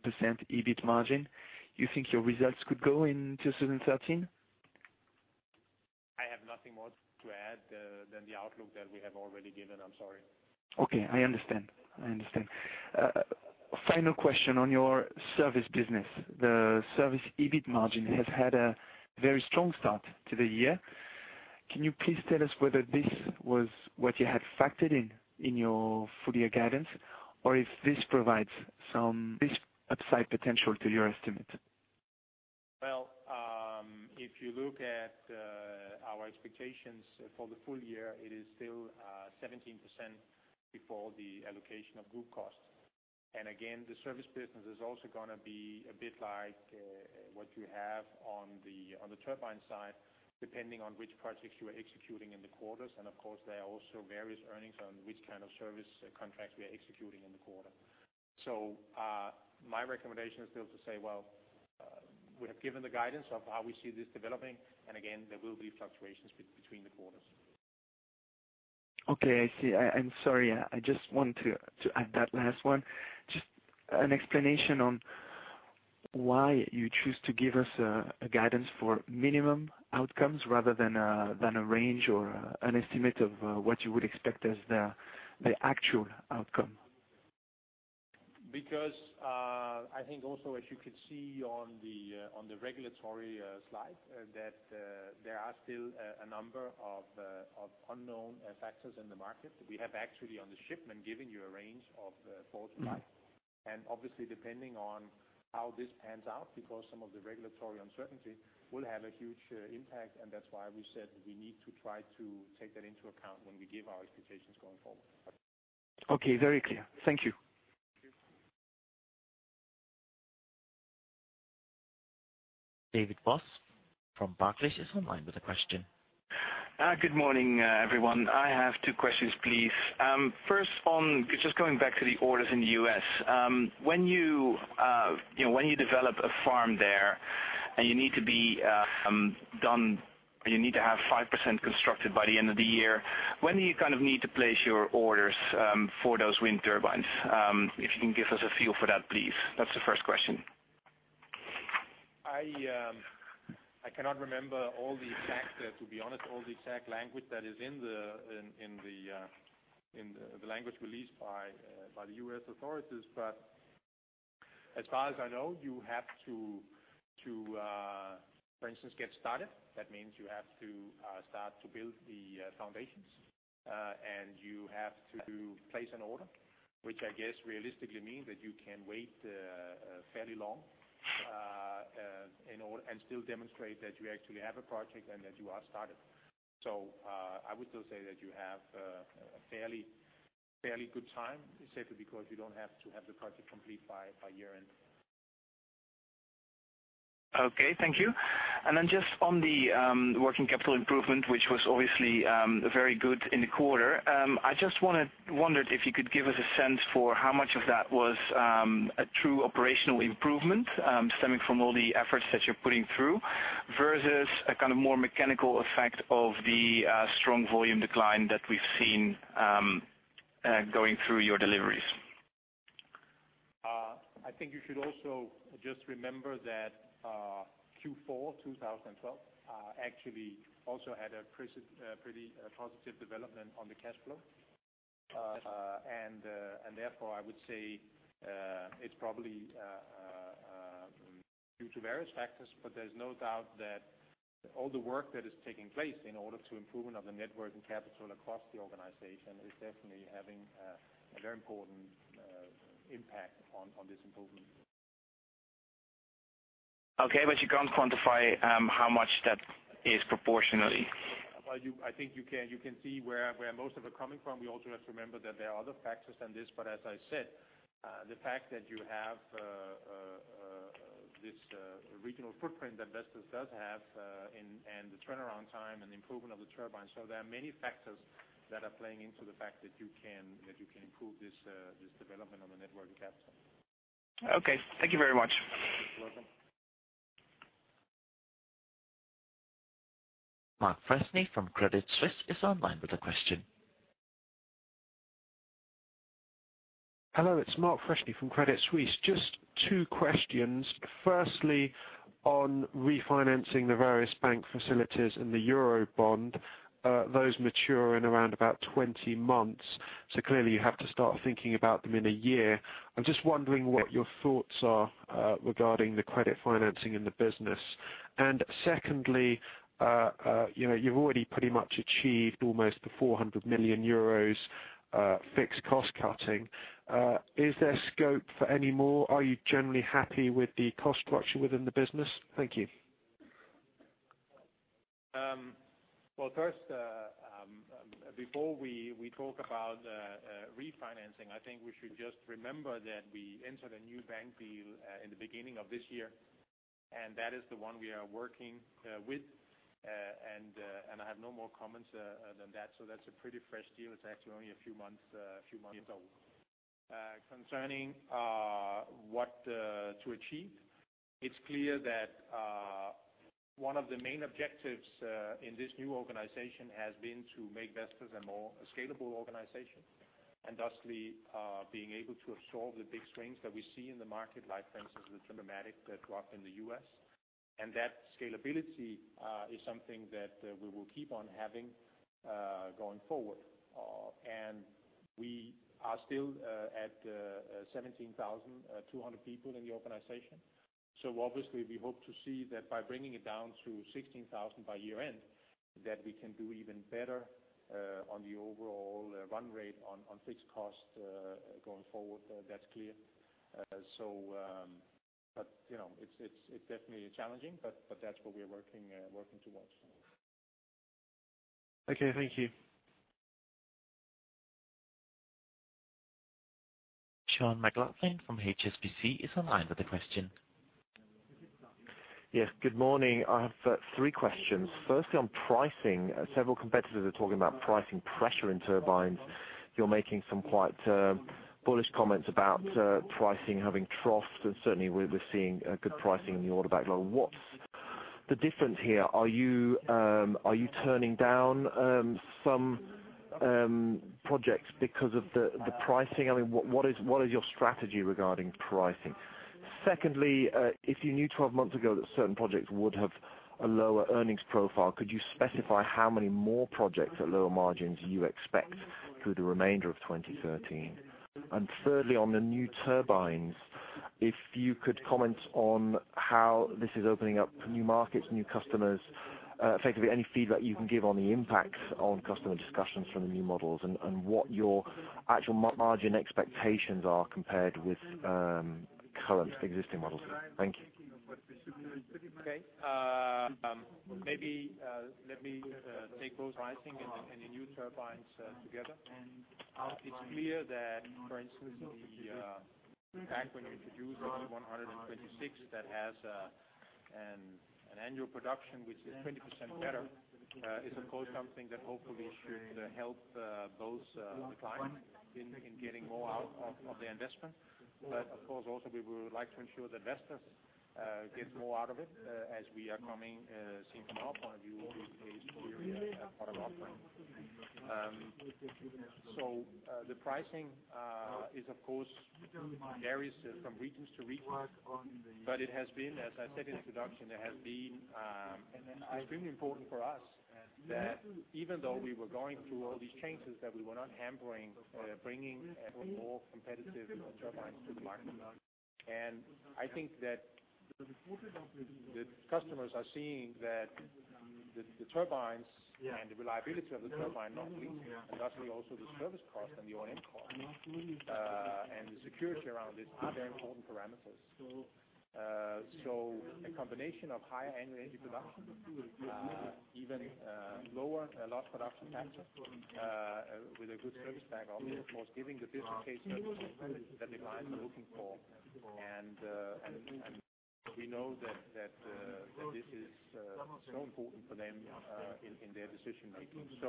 EBIT margin you think your results could go in 2013? I have nothing more to add than the outlook that we have already given. I'm sorry. Okay. I understand. I understand. Final question, on your service business, the service EBIT margin has had a very strong start to the year. Can you please tell us whether this was what you had factored in in your full-year guidance, or if this provides some upside potential to your estimate? Well, if you look at our expectations for the full year, it is still 17% before the allocation of group costs, and again, the service business is also going to be a bit like what you have on the turbine side, depending on which projects you are executing in the quarters, and of course, there are also various earnings on which kind of service contracts we are executing in the quarter. So my recommendation is still to say, "Well, we have given the guidance of how we see this developing, and again, there will be fluctuations between the quarters. Okay. I see. Sorry, I just want to add that last one, just an explanation on why you choose to give us a guidance for minimum outcomes rather than a range or an estimate of what you would expect as the actual outcome. Because I think also, as you could see on the regulatory slide, that there are still a number of unknown factors in the market. We have actually, on the shipment, given you a range of 4-5, and obviously, depending on how this pans out, because some of the regulatory uncertainty will have a huge impact, and that's why we said we need to try to take that into account when we give our expectations going forward. Okay. Very clear. Thank you. Thank you. David Vos from Barclays is on line with a question. Good morning, everyone. I have two questions, please. First, just going back to the orders in the U.S., when you develop a farm there and you need to be done and you need to have 5% constructed by the end of the year, when do you kind of need to place your orders for those wind turbines? If you can give us a feel for that, please. That's the first question. I cannot remember all the exact, to be honest, all the exact language that is in the language released by the U.S. authorities, but as far as I know, you have to, for instance, get started. That means you have to start to build the foundations, and you have to place an order, which I guess realistically means that you can wait fairly long and still demonstrate that you actually have a project and that you are started. So I would still say that you have a fairly good time, simply because you don't have to have the project complete by year-end. Okay. Thank you. And then just on the working capital improvement, which was obviously very good in the quarter, I just wondered if you could give us a sense for how much of that was a true operational improvement stemming from all the efforts that you're putting through versus a kind of more mechanical effect of the strong volume decline that we've seen going through your deliveries? I think you should also just remember that Q4, 2012, actually also had a pretty positive development on the cash flow, and therefore, I would say it's probably due to various factors, but there's no doubt that all the work that is taking place in order to improvement of the net working capital across the organization is definitely having a very important impact on this improvement. Okay. You can't quantify how much that is proportionally? Well, I think you can see where most of it's coming from. We also have to remember that there are other factors than this, but as I said, the fact that you have this regional footprint that Vestas does have and the turnaround time and improvement of the turbines, so there are many factors that are playing into the fact that you can improve this development on the net working capital. Okay. Thank you very much. You're welcome. Mark Freshney from Credit Suisse is on line with a question. Hello. It's Mark Freshney from Credit Suisse. Just two questions. Firstly, on refinancing the various bank facilities and the Eurobond, those mature in around about 20 months, so clearly, you have to start thinking about them in a year. I'm just wondering what your thoughts are regarding the credit financing in the business. And secondly, you've already pretty much achieved almost the 400 million euros fixed cost cutting. Is there scope for any more? Are you generally happy with the cost structure within the business? Thank you. Well, first, before we talk about refinancing, I think we should just remember that we entered a new bank deal in the beginning of this year, and that is the one we are working with, and I have no more comments than that, so that's a pretty fresh deal. It's actually only a few months old. Concerning what to achieve, it's clear that one of the main objectives in this new organization has been to make Vestas a more scalable organization and thusly being able to absorb the big swings that we see in the market, like, for instance, the dramatic drop in the U.S., and that scalability is something that we will keep on having going forward. We are still at 17,200 people in the organization, so obviously, we hope to see that by bringing it down to 16,000 by year-end, that we can do even better on the overall run rate on fixed cost going forward. That's clear. It's definitely challenging, but that's what we're working towards. Okay. Thank you. Sean McLoughlin from HSBC is on line with a question. Yeah. Good morning. I have three questions. Firstly, on pricing, several competitors are talking about pricing pressure in turbines. You're making some quite bullish comments about pricing having troughed, and certainly, we're seeing good pricing in the order backlog. What's the difference here? Are you turning down some projects because of the pricing? I mean, what is your strategy regarding pricing? Secondly, if you knew 12 months ago that certain projects would have a lower earnings profile, could you specify how many more projects at lower margins you expect through the remainder of 2013? And thirdly, on the new turbines, if you could comment on how this is opening up new markets, new customers, effectively, any feedback you can give on the impact on customer discussions from the new models, and what your actual margin expectations are compared with current existing models. Thank you. Okay. Maybe let me take both. Pricing and the new turbines together, it's clear that, for instance, back when you introduced the V126 that has an annual production, which is 20% better, is, of course, something that hopefully should help both the clients in getting more out of their investment, but of course, also, we would like to ensure that Vestas gets more out of it as we are coming seen from our point of view, a superior product offering. So the pricing varies from region to region, but it has been, as I said in the introduction, it has been extremely important for us that even though we were going through all these changes, that we were not hampering bringing more competitive turbines to the market. I think that the customers are seeing that the turbines and the reliability of the turbine, not least, and thusly also the service cost and the O&M cost and the security around this are very important parameters. A combination of higher annual energy production, even lower lost production factor with a good service backlog means, of course, giving the business case service that the clients are looking for, and we know that this is so important for them in their decision-making. It's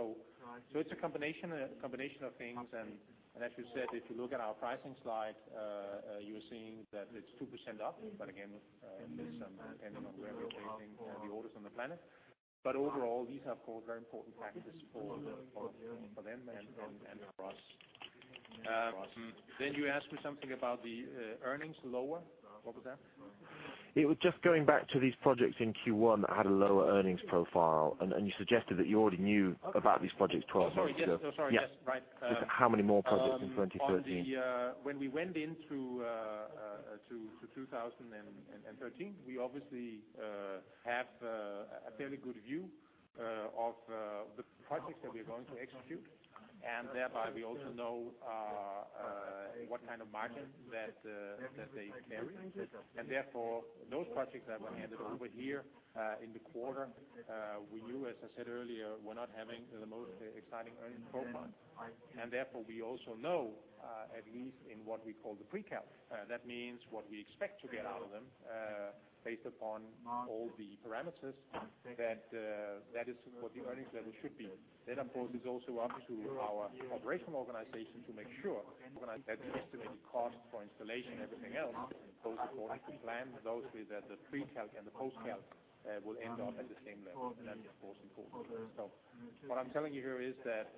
a combination of things, and as you said, if you look at our pricing slide, you're seeing that it's 2% up, but again, it's depending on where we're placing the orders on the planet. Overall, these are, of course, very important factors for them and for us. You asked me something about the earnings lower. What was that? It was just going back to these projects in Q1 that had a lower earnings profile, and you suggested that you already knew about these projects 12 months ago. Oh, sorry. Oh, sorry. Yes. Right. Just how many more projects in 2013? When we went into 2013, we obviously have a fairly good view of the projects that we are going to execute, and thereby, we also know what kind of margin that they carry, and therefore, those projects that were handed over here in the quarter, we knew, as I said earlier, were not having the most exciting earnings profile, and therefore, we also know, at least in what we call the pre-calc. That means what we expect to get out of them based upon all the parameters, that is what the earnings level should be. Then, of course, it's also up to our operational organization to make sure that the estimated cost for installation, everything else, goes according to plan, those that the pre-calc and the post-calc will end up at the same level, and that's, of course, important. So what I'm telling you here is that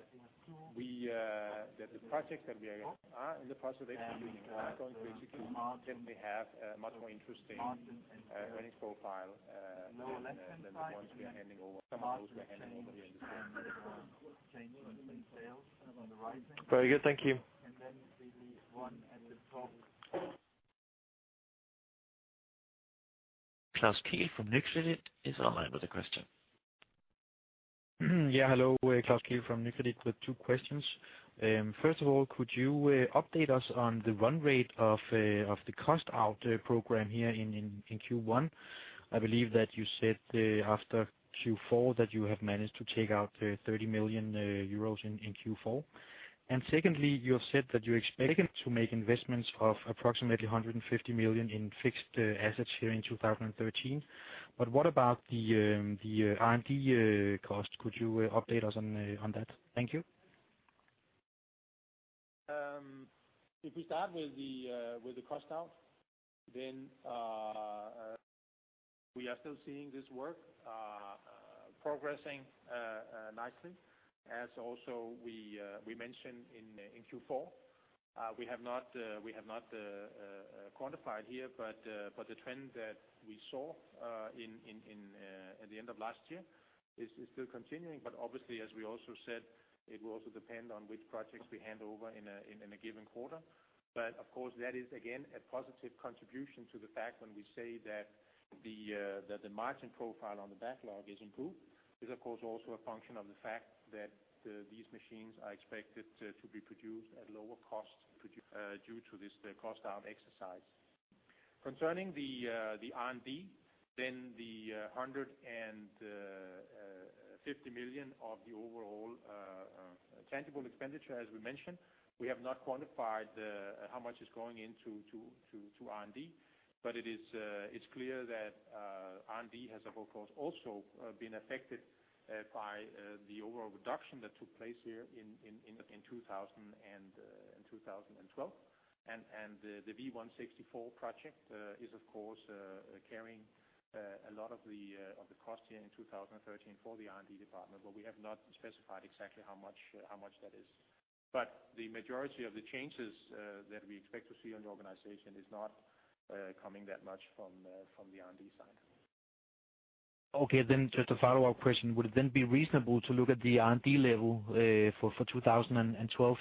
the projects that we are in the process of executing and are going to execute tend to have a much more interesting earnings profile than the ones we are handing over. Some of those we are handing over here in the spring months. Very good. Thank you. We leave one at the top. Klaus Kehl from Nykredit is on line with a question. Yeah. Hello. Klaus Kehl from Nykredit with two questions. First of all, could you update us on the run rate of the cost-out program here in Q1? I believe that you said after Q4 that you have managed to take out 30 million euros in Q4, and secondly, you have said that you expect to make investments of approximately 150 million in fixed assets here in 2013, but what about the R&D cost? Could you update us on that? Thank you. If we start with the cost-out, then we are still seeing this work progressing nicely, as also we mentioned in Q4. We have not quantified here, but the trend that we saw at the end of last year is still continuing, but obviously, as we also said, it will also depend on which projects we hand over in a given quarter, but of course, that is, again, a positive contribution to the fact when we say that the margin profile on the backlog is improved. It's, of course, also a function of the fact that these machines are expected to be produced at lower cost due to this cost-out exercise. Concerning the R&D, then the 150 million of the overall tangible expenditure, as we mentioned, we have not quantified how much is going into R&D, but it's clear that R&D has, of course, also been affected by the overall reduction that took place here in 2012, and the V164 project is, of course, carrying a lot of the cost here in 2013 for the R&D department, but we have not specified exactly how much that is. But the majority of the changes that we expect to see on the organization is not coming that much from the R&D side. Okay. Then just a follow-up question. Would it then be reasonable to look at the R&D level for 2012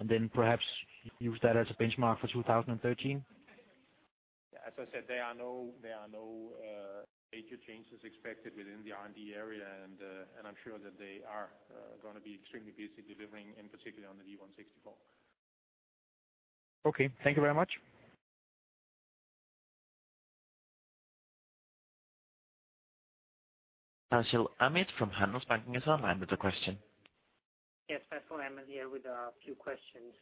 and then perhaps use that as a benchmark for 2013? As I said, there are no major changes expected within the R&D area, and I'm sure that they are going to be extremely busy delivering, in particular, on the V164. Okay. Thank you very much. Caspar Elmgreen from Handelsbanken is on the line with a question. Yes. Kasper Elmgreen here with a few questions.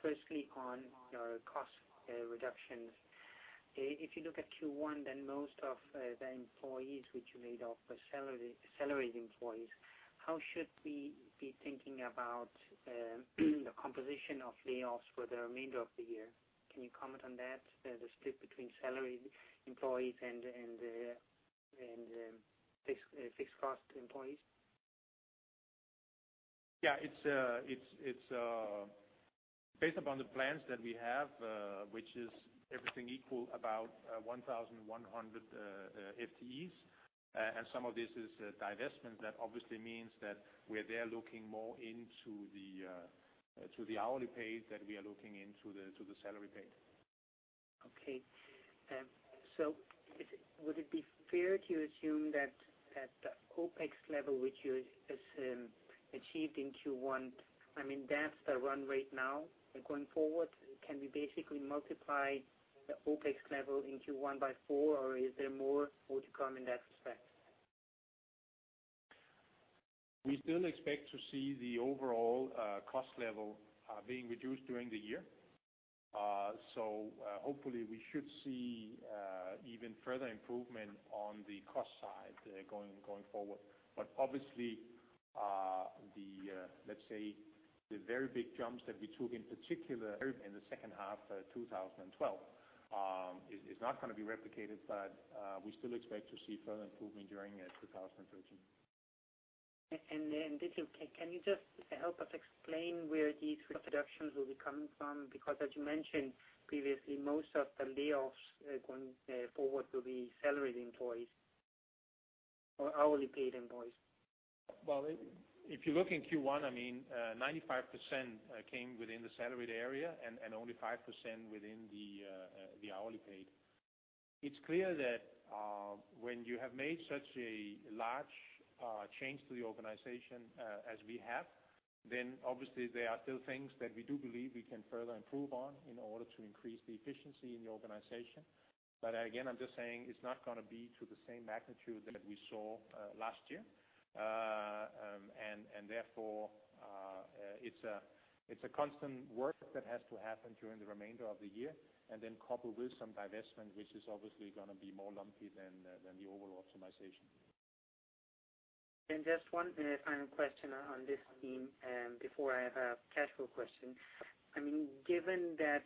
Firstly, on your cost reductions, if you look at Q1, then most of the employees which you laid off were salaried employees. How should we be thinking about the composition of layoffs for the remainder of the year? Can you comment on that, the split between salaried employees and fixed-cost employees? Yeah. It's based upon the plans that we have, which is everything equal about 1,100 FTEs, and some of this is divestment. That obviously means that where they're looking more into the hourly paid than we are looking into the salary paid. Okay. So, would it be fair to assume that the OpEx level which you assume achieved in Q1—I mean, that's the run rate now. Going forward, can we basically multiply the OpEx level in Q1 by 4, or is there more to come in that respect? We still expect to see the overall cost level being reduced during the year, so hopefully, we should see even further improvement on the cost side going forward, but obviously, let's say, the very big jumps that we took in particular in the second half of 2012. It's not going to be replicated, but we still expect to see further improvement during 2013. Can you just help us explain where these cost reductions will be coming from? Because as you mentioned previously, most of the layoffs going forward will be salaried employees or hourly-paid employees. Well, if you look in Q1, I mean, 95% came within the salaried area and only 5% within the hourly paid. It's clear that when you have made such a large change to the organization as we have, then obviously, there are still things that we do believe we can further improve on in order to increase the efficiency in the organization, but again, I'm just saying it's not going to be to the same magnitude that we saw last year, and therefore, it's a constant work that has to happen during the remainder of the year and then couple with some divestment, which is obviously going to be more lumpy than the overall optimization. Just one final question on this theme before I have a casual question. I mean, given that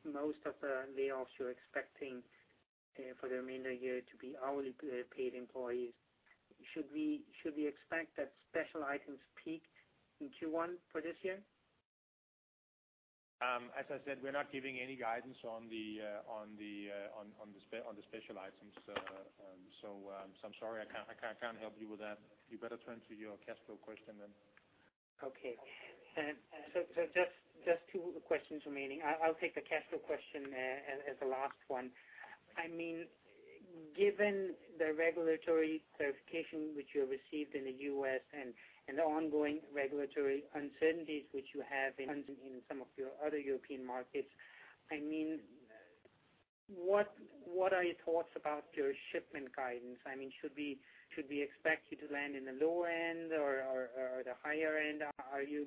most of the layoffs you're expecting for the remainder of the year to be hourly-paid employees, should we expect that special items peak in Q1 for this year? As I said, we're not giving any guidance on the special items, so I'm sorry. I can't help you with that. You better turn to your cash flow question then. Okay. So just two questions remaining. I'll take the cash flow question as the last one. I mean, given the regulatory certification which you have received in the U.S. and the ongoing regulatory uncertainties which you have in some of your other European markets, I mean, what are your thoughts about your shipment guidance? I mean, should we expect you to land in the lower end or the higher end? Are you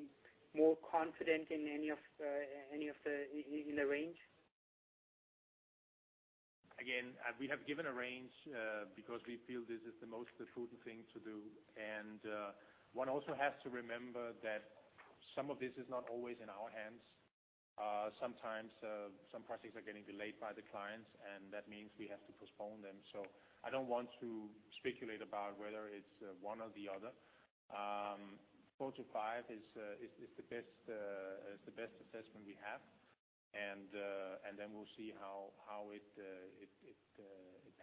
more confident in any of the in the range? Again, we have given a range because we feel this is the most prudent thing to do, and one also has to remember that some of this is not always in our hands. Sometimes, some projects are getting delayed by the clients, and that means we have to postpone them, so I don't want to speculate about whether it's one or the other. 4-5 is the best assessment we have, and then we'll see how it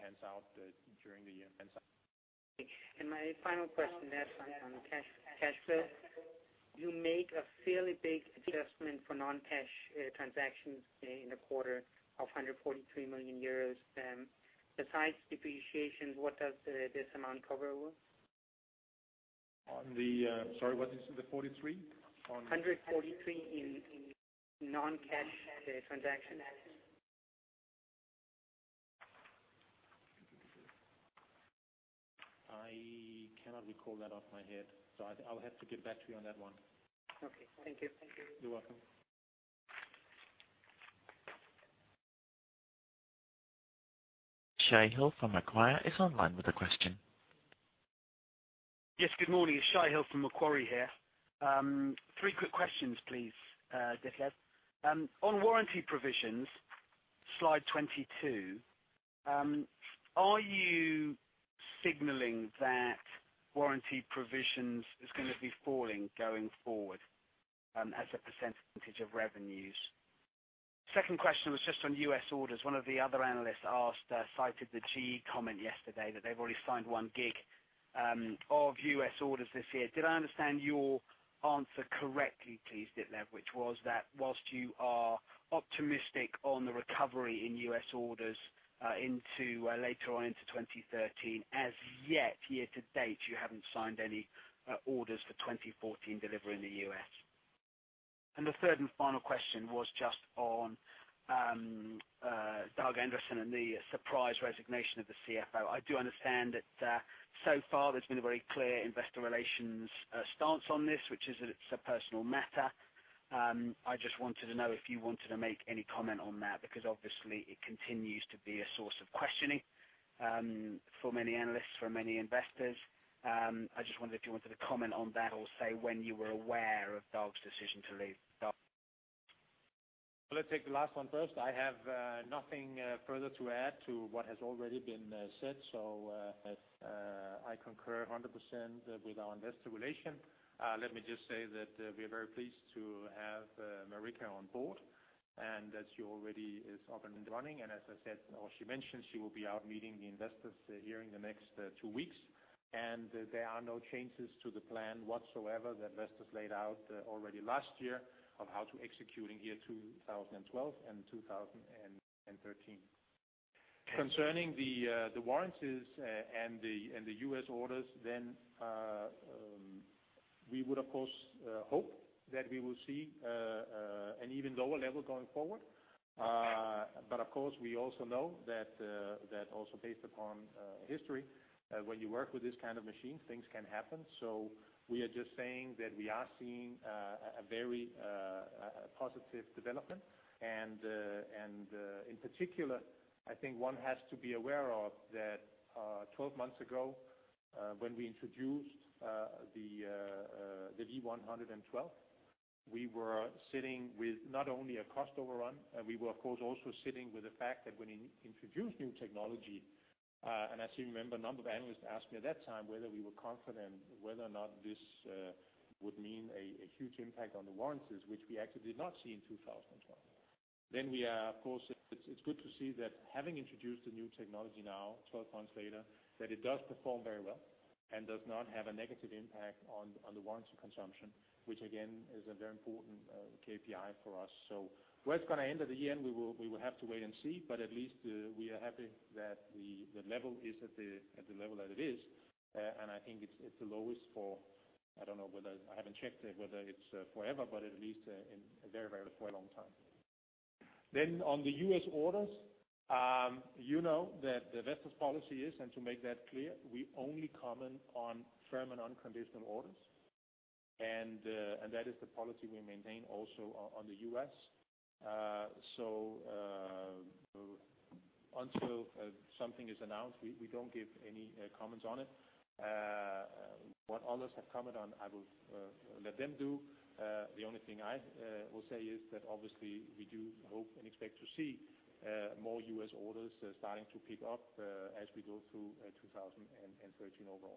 pans out during the year. Okay. And my final question on the cash flow. You make a fairly big adjustment for non-cash transactions in the quarter of 143 million euros. Besides depreciations, what does this amount cover over? Sorry. What is the 43? On. 143 in non-cash transactions? I cannot recall that off my head, so I'll have to get back to you on that one. Okay. Thank you. You're welcome. Shai from Macquarie is on line with a question. Yes. Good morning. It's Shai from Macquarie here. Three quick questions, please, Ditlev. On warranty provisions, slide 22, are you signaling that warranty provisions is going to be falling going forward as a percentage of revenues? Second question was just on U.S. orders. One of the other analysts cited the GE comment yesterday that they've already signed 1 GW of U.S. orders this year. Did I understand your answer correctly, please, Ditlev, which was that whilst you are optimistic on the recovery in U.S. orders later on into 2013, as yet, year to date, you haven't signed any orders for 2014 delivery in the U.S.? And the third and final question was just on Dag Andresen and the surprise resignation of the CFO. I do understand that so far, there's been a very clear investor relations stance on this, which is that it's a personal matter. I just wanted to know if you wanted to make any comment on that because obviously, it continues to be a source of questioning for many analysts, for many investors. I just wondered if you wanted to comment on that or say when you were aware of Dag's decision to leave. Well, let's take the last one first. I have nothing further to add to what has already been said, so I concur 100% with our investor relations. Let me just say that we are very pleased to have Marika on board and that she already is up and running, and as I said, or she mentioned, she will be out meeting the investors here in the next two weeks, and there are no changes to the plan whatsoever that Vestas laid out already last year of how to execute in year 2012 and 2013. Concerning the warranties and the U.S. orders, then we would, of course, hope that we will see an even lower level going forward, but of course, we also know that also based upon history, when you work with this kind of machine, things can happen, so we are just saying that we are seeing a very positive development. In particular, I think one has to be aware of that 12 months ago, when we introduced the V112, we were sitting with not only a cost overrun, we were, of course, also sitting with the fact that when you introduce new technology and as you remember, a number of analysts asked me at that time whether we were confident whether or not this would mean a huge impact on the warranties, which we actually did not see in 2012. Then, we are, of course, it's good to see that having introduced the new technology now, 12 months later, that it does perform very well and does not have a negative impact on the warranty consumption, which again is a very important KPI for us, so where it's going to end at the end, we will have to wait and see, but at least, we are happy that the level is at the level that it is, and I think it's the lowest for I don't know whether I haven't checked whether it's forever, but at least a very, very long time. Then on the U.S. orders, you know that the Vestas policy is, and to make that clear, we only comment on firm and unconditional orders, and that is the policy we maintain also on the U.S., so until something is announced, we don't give any comments on it. What others have commented on, I will let them do. The only thing I will say is that obviously, we do hope and expect to see more U.S. orders starting to pick up as we go through 2013 overall.